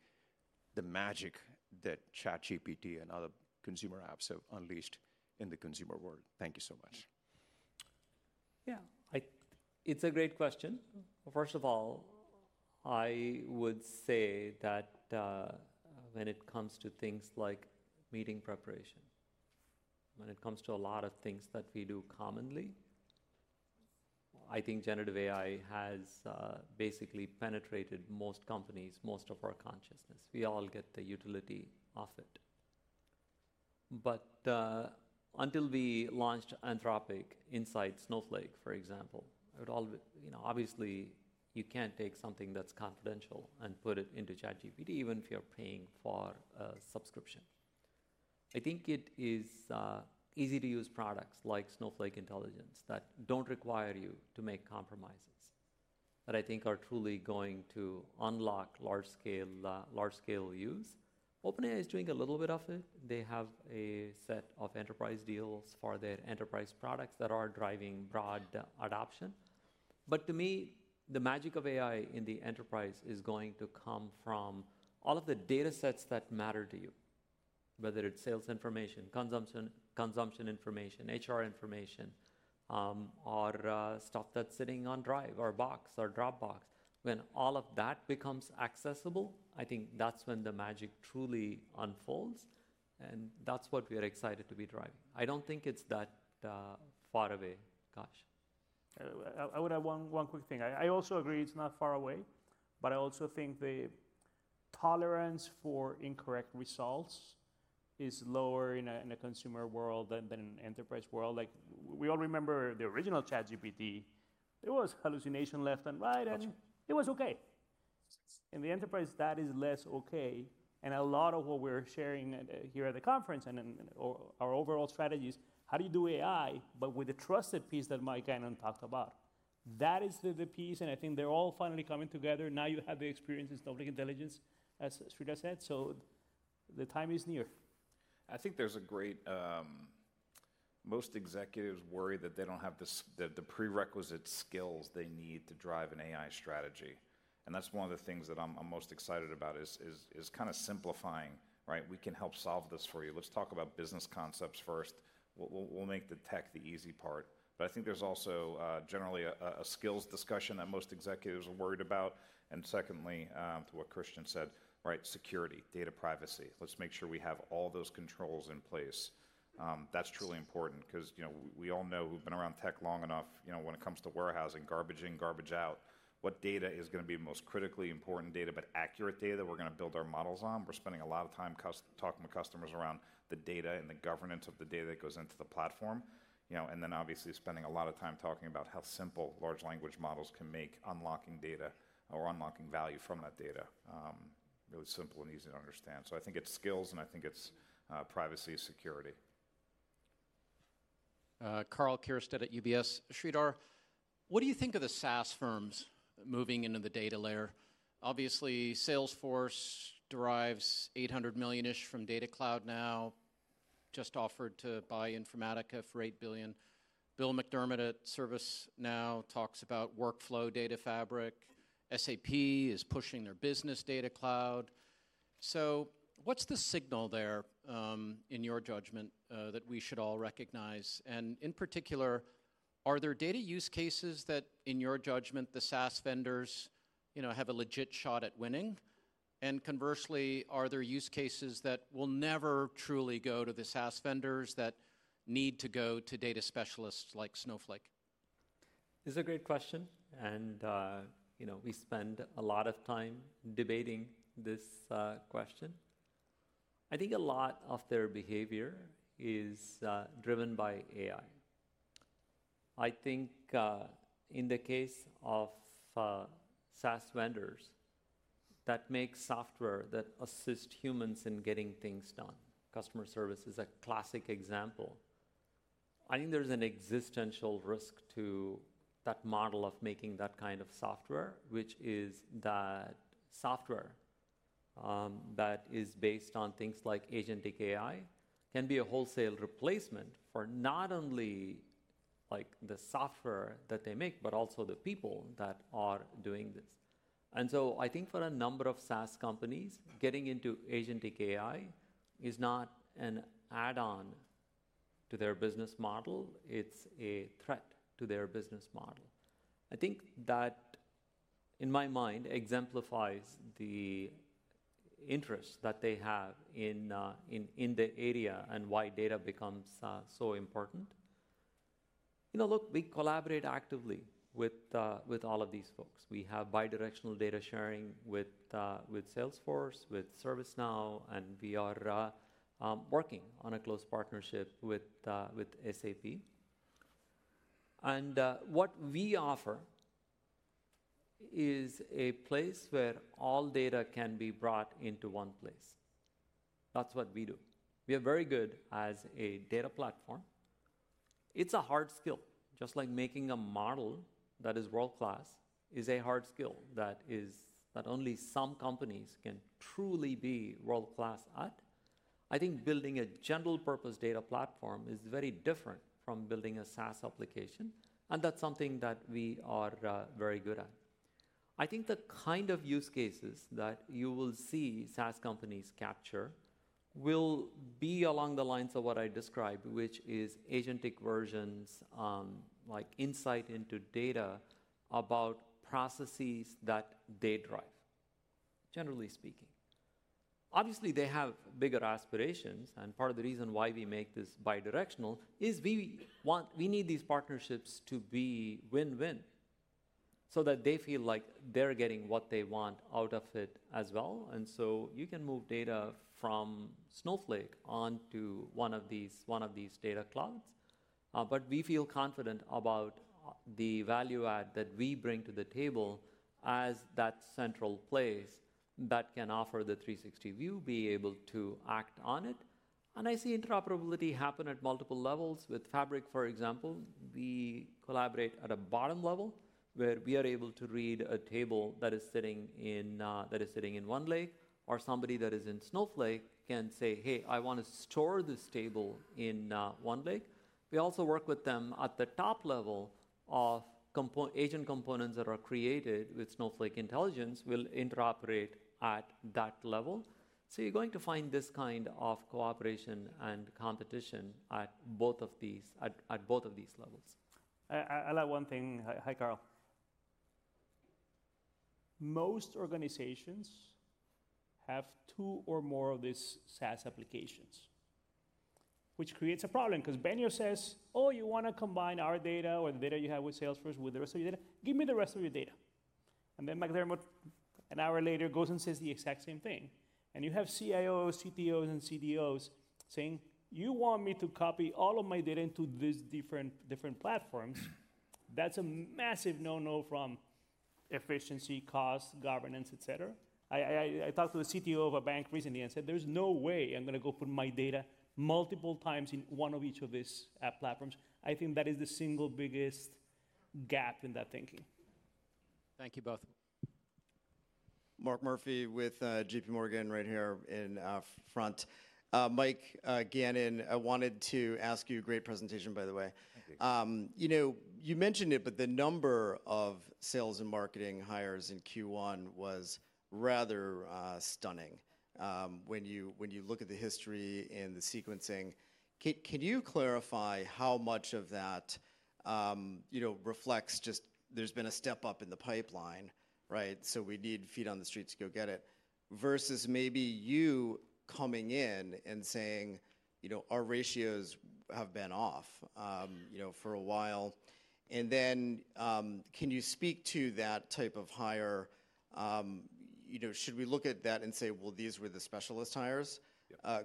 the magic that ChatGPT and other consumer apps have unleashed in the consumer world? Thank you so much.
Yeah. It's a great question. First of all, I would say that when it comes to things like meeting preparation, when it comes to a lot of things that we do commonly, I think generative AI has basically penetrated most companies, most of our consciousness. We all get the utility of it. Until we launched Anthropic inside Snowflake, for example, obviously, you can't take something that's confidential and put it into ChatGPT, even if you're paying for a subscription. I think it is easy-to-use products like Snowflake Intelligence that don't require you to make compromises that I think are truly going to unlock large-scale use. OpenAI is doing a little bit of it. They have a set of enterprise deals for their enterprise products that are driving broad adoption. To me, the magic of AI in the enterprise is going to come from all of the data sets that matter to you, whether it's sales information, consumption information, HR information, or stuff that's sitting on Drive or Box or Dropbox. When all of that becomes accessible, I think that's when the magic truly unfolds. That's what we are excited to be driving. I don't think it's that far away, Kash.
I would add one quick thing. I also agree it's not far away. I also think the tolerance for incorrect results is lower in a consumer world than in an enterprise world. We all remember the original ChatGPT. It was hallucination left and right, and it was OK. In the enterprise, that is less OK. A lot of what we're sharing here at the conference and our overall strategy is, how do you do AI, but with the trusted piece that Mike Gannon talked about? That is the piece. I think they're all finally coming together. Now you have the experience in Snowflake Intelligence, as Sridhar said. The time is near.
I think there's a great most executives worry that they don't have the prerequisite skills they need to drive an AI strategy. That's one of the things that I'm most excited about is kind of simplifying. We can help solve this for you. Let's talk about business concepts first. We'll make the tech the easy part. I think there's also generally a skills discussion that most executives are worried about. Secondly, to what Christian said, security, data privacy. Let's make sure we have all those controls in place. That's truly important because we all know we've been around tech long enough. When it comes to warehousing, garbage in, garbage out, what data is going to be most critically important data, but accurate data that we're going to build our models on? We're spending a lot of time talking to customers around the data and the governance of the data that goes into the platform. Obviously, spending a lot of time talking about how simple large language models can make unlocking data or unlocking value from that data really simple and easy to understand. I think it's skills, and I think it's privacy, security.
Karl Keirstead at UBS. Sridhar, what do you think of the SaaS firms moving into the data layer? Obviously, Salesforce derives $800 million-ish from data cloud now, just offered to buy Informatica for $8 billion. Bill McDermott at ServiceNow talks about workflow data fabric. SAP is pushing their business data cloud. What is the signal there, in your judgment, that we should all recognize? In particular, are there data use cases that, in your judgment, the SaaS vendors have a legit shot at winning? Conversely, are there use cases that will never truly go to the SaaS vendors that need to go to data specialists like Snowflake?
This is a great question. We spend a lot of time debating this question. I think a lot of their behavior is driven by AI. I think in the case of SaaS vendors, that makes software that assists humans in getting things done. Customer service is a classic example. I think there is an existential risk to that model of making that kind of software, which is that software that is based on things like agentic AI can be a wholesale replacement for not only the software that they make, but also the people that are doing this. I think for a number of SaaS companies, getting into agentic AI is not an add-on to their business model. It is a threat to their business model. I think that, in my mind, exemplifies the interest that they have in the area and why data becomes so important. Look, we collaborate actively with all of these folks. We have bidirectional data sharing with Salesforce, with ServiceNow, and we are working on a close partnership with SAP. What we offer is a place where all data can be brought into one place. That is what we do. We are very good as a data platform. It is a hard skill. Just like making a model that is world-class is a hard skill that only some companies can truly be world-class at. I think building a general-purpose data platform is very different from building a SaaS application. That is something that we are very good at. I think the kind of use cases that you will see SaaS companies capture will be along the lines of what I described, which is agentic versions, like insight into data about processes that they drive, generally speaking. Obviously, they have bigger aspirations. Part of the reason why we make this bidirectional is we need these partnerships to be win-win so that they feel like they're getting what they want out of it as well. You can move data from Snowflake onto one of these data clouds. We feel confident about the value add that we bring to the table as that central place that can offer the 360 view, be able to act on it. I see interoperability happen at multiple levels. With Fabric, for example, we collaborate at a bottom level where we are able to read a table that is sitting in OneLake, or somebody that is in Snowflake can say, "Hey, I want to store this table in OneLake." We also work with them at the top level of agent components that are created with Snowflake Intelligence. We'll interoperate at that level. You're going to find this kind of cooperation and competition at both of these levels.
I'll add one thing. Hi, Karl. Most organizations have two or more of these SaaS applications, which creates a problem. Because Benioff says, "Oh, you want to combine our data or the data you have with Salesforce with the rest of your data? Give me the rest of your data." Then McDermott, an hour later, goes and says the exact same thing. You have CIOs, CTOs, and CDOs saying, "You want me to copy all of my data into these different platforms?" That's a massive no-no from efficiency, cost, governance, et cetera. I talked to the CTO of a bank recently and said, "There's no way I'm going to go put my data multiple times in one of each of these platforms." I think that is the single biggest gap in that thinking.
Thank you both.
Mark Murphy with JPMorgan right here in front. Mike Gannon, I wanted to ask you. Great presentation, by the way. You mentioned it, but the number of sales and marketing hires in Q1 was rather stunning. When you look at the history and the sequencing, can you clarify how much of that reflects just there's been a step up in the pipeline, so we need feet on the street to go get it, versus maybe you coming in and saying, "Our ratios have been off for a while." Can you speak to that type of hire? Should we look at that and say, "These were the specialist hires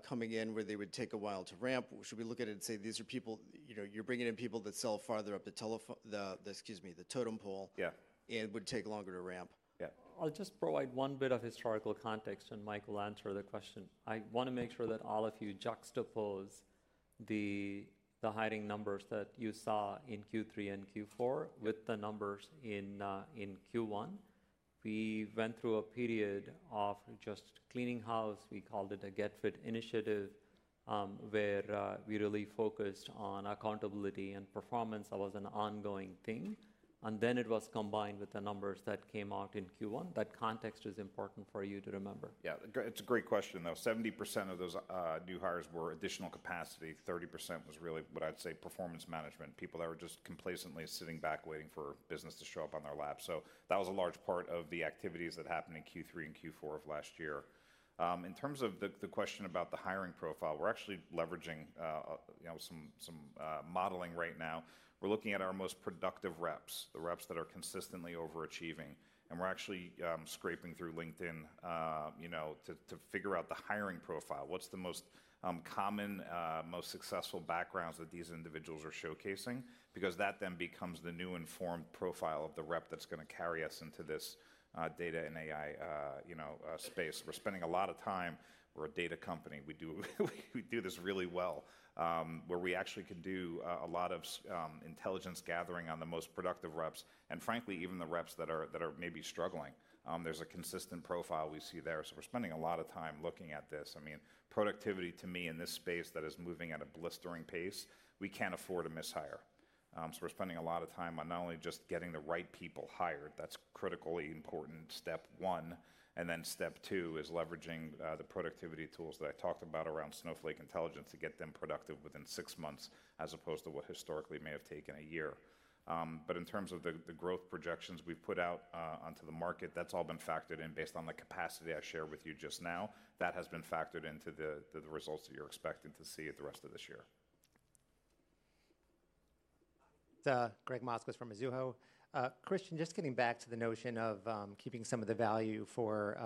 coming in where they would take a while to ramp"? Should we look at it and say, "These are people you're bringing in people that sell farther up the totem pole and would take longer to ramp"?
I'll just provide one bit of historical context, and Mike will answer the question. I want to make sure that all of you juxtapose the hiring numbers that you saw in Q3 and Q4 with the numbers in Q1. We went through a period of just cleaning house. We called it a get-fit initiative, where we really focused on accountability and performance. That was an ongoing thing. It was combined with the numbers that came out in Q1. That context is important for you to remember.
Yeah. It's a great question, though. 70% of those new hires were additional capacity. 30% was really what I'd say performance management, people that were just complacently sitting back waiting for business to show up on their lap. That was a large part of the activities that happened in Q3 and Q4 of last year. In terms of the question about the hiring profile, we're actually leveraging some modeling right now. We're looking at our most productive reps, the reps that are consistently overachieving. We're actually scraping through LinkedIn to figure out the hiring profile. What's the most common, most successful backgrounds that these individuals are showcasing? That then becomes the new informed profile of the rep that's going to carry us into this data and AI space. We're spending a lot of time. We're a data company. We do this really well, where we actually can do a lot of intelligence gathering on the most productive reps, and frankly, even the reps that are maybe struggling. There is a consistent profile we see there. We are spending a lot of time looking at this. I mean, productivity, to me, in this space that is moving at a blistering pace, we cannot afford a mis-hire. We are spending a lot of time on not only just getting the right people hired. That is critically important step one. Step two is leveraging the productivity tools that I talked about around Snowflake Intelligence to get them productive within six months, as opposed to what historically may have taken a year. In terms of the growth projections we have put out onto the market, that has all been factored in based on the capacity I shared with you just now. That has been factored into the results that you're expecting to see at the rest of this year.
Gregg Moskowitz from Mizuho. Christian, just getting back to the notion of keeping some of the value for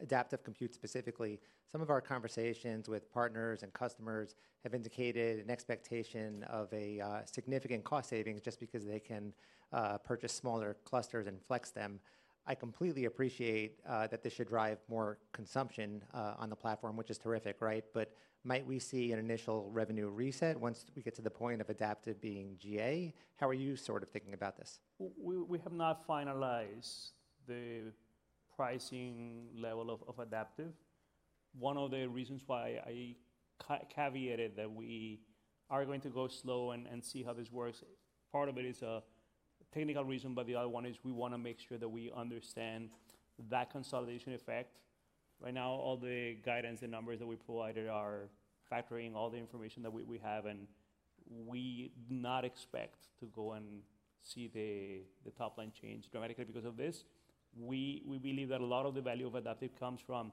adaptive compute specifically, some of our conversations with partners and customers have indicated an expectation of a significant cost savings just because they can purchase smaller clusters and flex them. I completely appreciate that this should drive more consumption on the platform, which is terrific. Might we see an initial revenue reset once we get to the point of adaptive being GA? How are you sort of thinking about this?
We have not finalized the pricing level of adaptive. One of the reasons why I caveated that we are going to go slow and see how this works, part of it is a technical reason, but the other one is we want to make sure that we understand that consolidation effect. Right now, all the guidance and numbers that we provided are factoring all the information that we have. We do not expect to go and see the top line change dramatically because of this. We believe that a lot of the value of adaptive comes from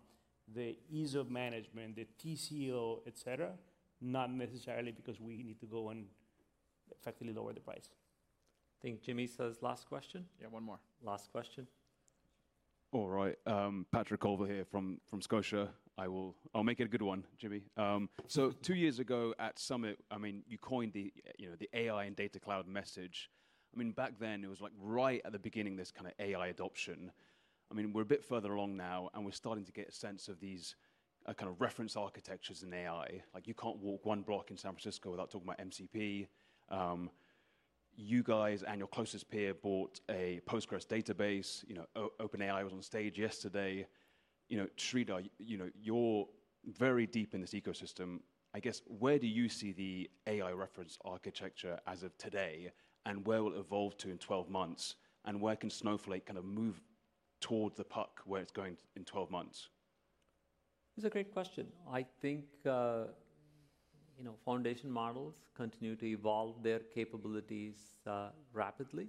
the ease of management, the TCO, et cetera, not necessarily because we need to go and effectively lower the price.
I think Jimmy says last question.
Yeah, one more.
Last question.
All right. Patrick Colville here from Scotia. I'll make it a good one, Jimmy. Two years ago at Summit, you coined the AI and data cloud message. Back then, it was right at the beginning of this kind of AI adoption. We're a bit further along now, and we're starting to get a sense of these kind of reference architectures in AI. You can't walk one block in San Francisco without talking about MCP. You guys and your closest peer bought a Postgres database. OpenAI was on stage yesterday. Sridhar, you're very deep in this ecosystem. I guess, where do you see the AI reference architecture as of today, and where will it evolve to in 12 months? Where can Snowflake kind of move towards the puck where it's going in 12 months?
This is a great question. I think foundation models continue to evolve their capabilities rapidly.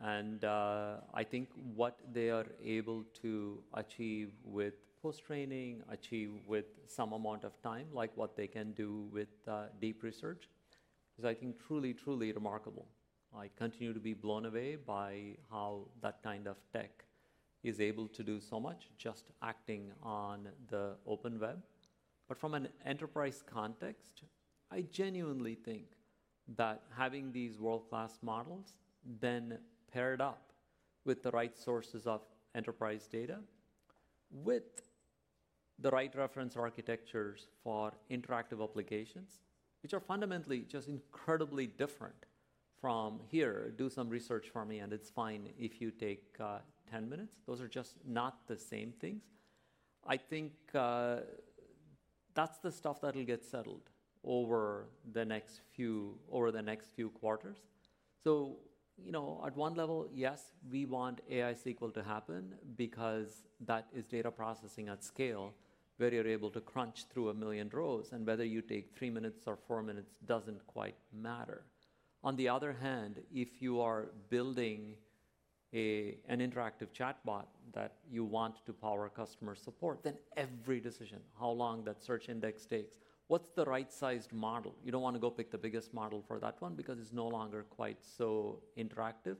I think what they are able to achieve with post-training, achieve with some amount of time, like what they can do with deep research, is I think truly, truly remarkable. I continue to be blown away by how that kind of tech is able to do so much just acting on the open web. From an enterprise context, I genuinely think that having these world-class models then paired up with the right sources of enterprise data, with the right reference architectures for interactive applications, which are fundamentally just incredibly different from, "Here, do some research for me, and it's fine if you take 10 minutes." Those are just not the same things. I think that's the stuff that'll get settled over the next few quarters. At one level, yes, we want AI SQL to happen because that is data processing at scale where you're able to crunch through a million rows. Whether you take three minutes or four minutes does not quite matter. On the other hand, if you are building an interactive chatbot that you want to power customer support, then every decision, how long that search index takes, what is the right-sized model? You do not want to go pick the biggest model for that one because it is no longer quite so interactive.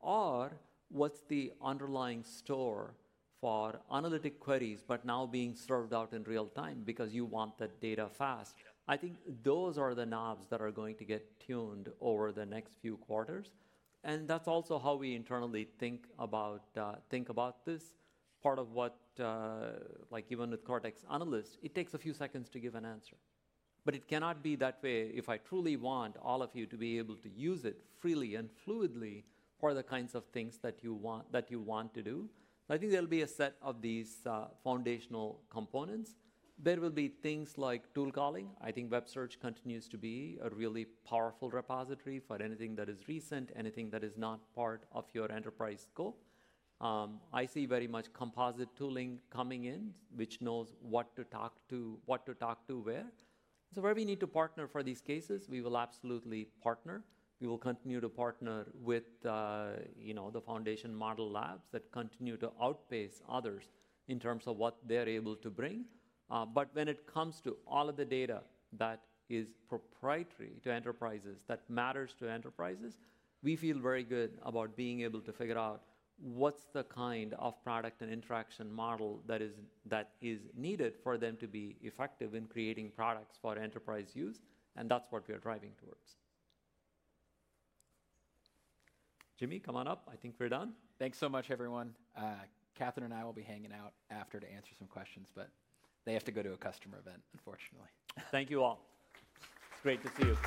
Or what is the underlying store for analytic queries, but now being served out in real time because you want that data fast? I think those are the knobs that are going to get tuned over the next few quarters. That is also how we internally think about this. Part of what, like even with Cortex Analyst, it takes a few seconds to give an answer. It cannot be that way if I truly want all of you to be able to use it freely and fluidly for the kinds of things that you want to do. I think there will be a set of these foundational components. There will be things like tool calling. I think web search continues to be a really powerful repository for anything that is recent, anything that is not part of your enterprise scope. I see very much composite tooling coming in, which knows what to talk to where. Where we need to partner for these cases, we will absolutely partner. We will continue to partner with the foundation model labs that continue to outpace others in terms of what they're able to bring. When it comes to all of the data that is proprietary to enterprises, that matters to enterprises, we feel very good about being able to figure out what's the kind of product and interaction model that is needed for them to be effective in creating products for enterprise use. That is what we are driving towards. Jimmy, come on up. I think we're done.
Thanks so much, everyone. Katherine and I will be hanging out after to answer some questions, but they have to go to a customer event, unfortunately.
Thank you all. It's great to see you.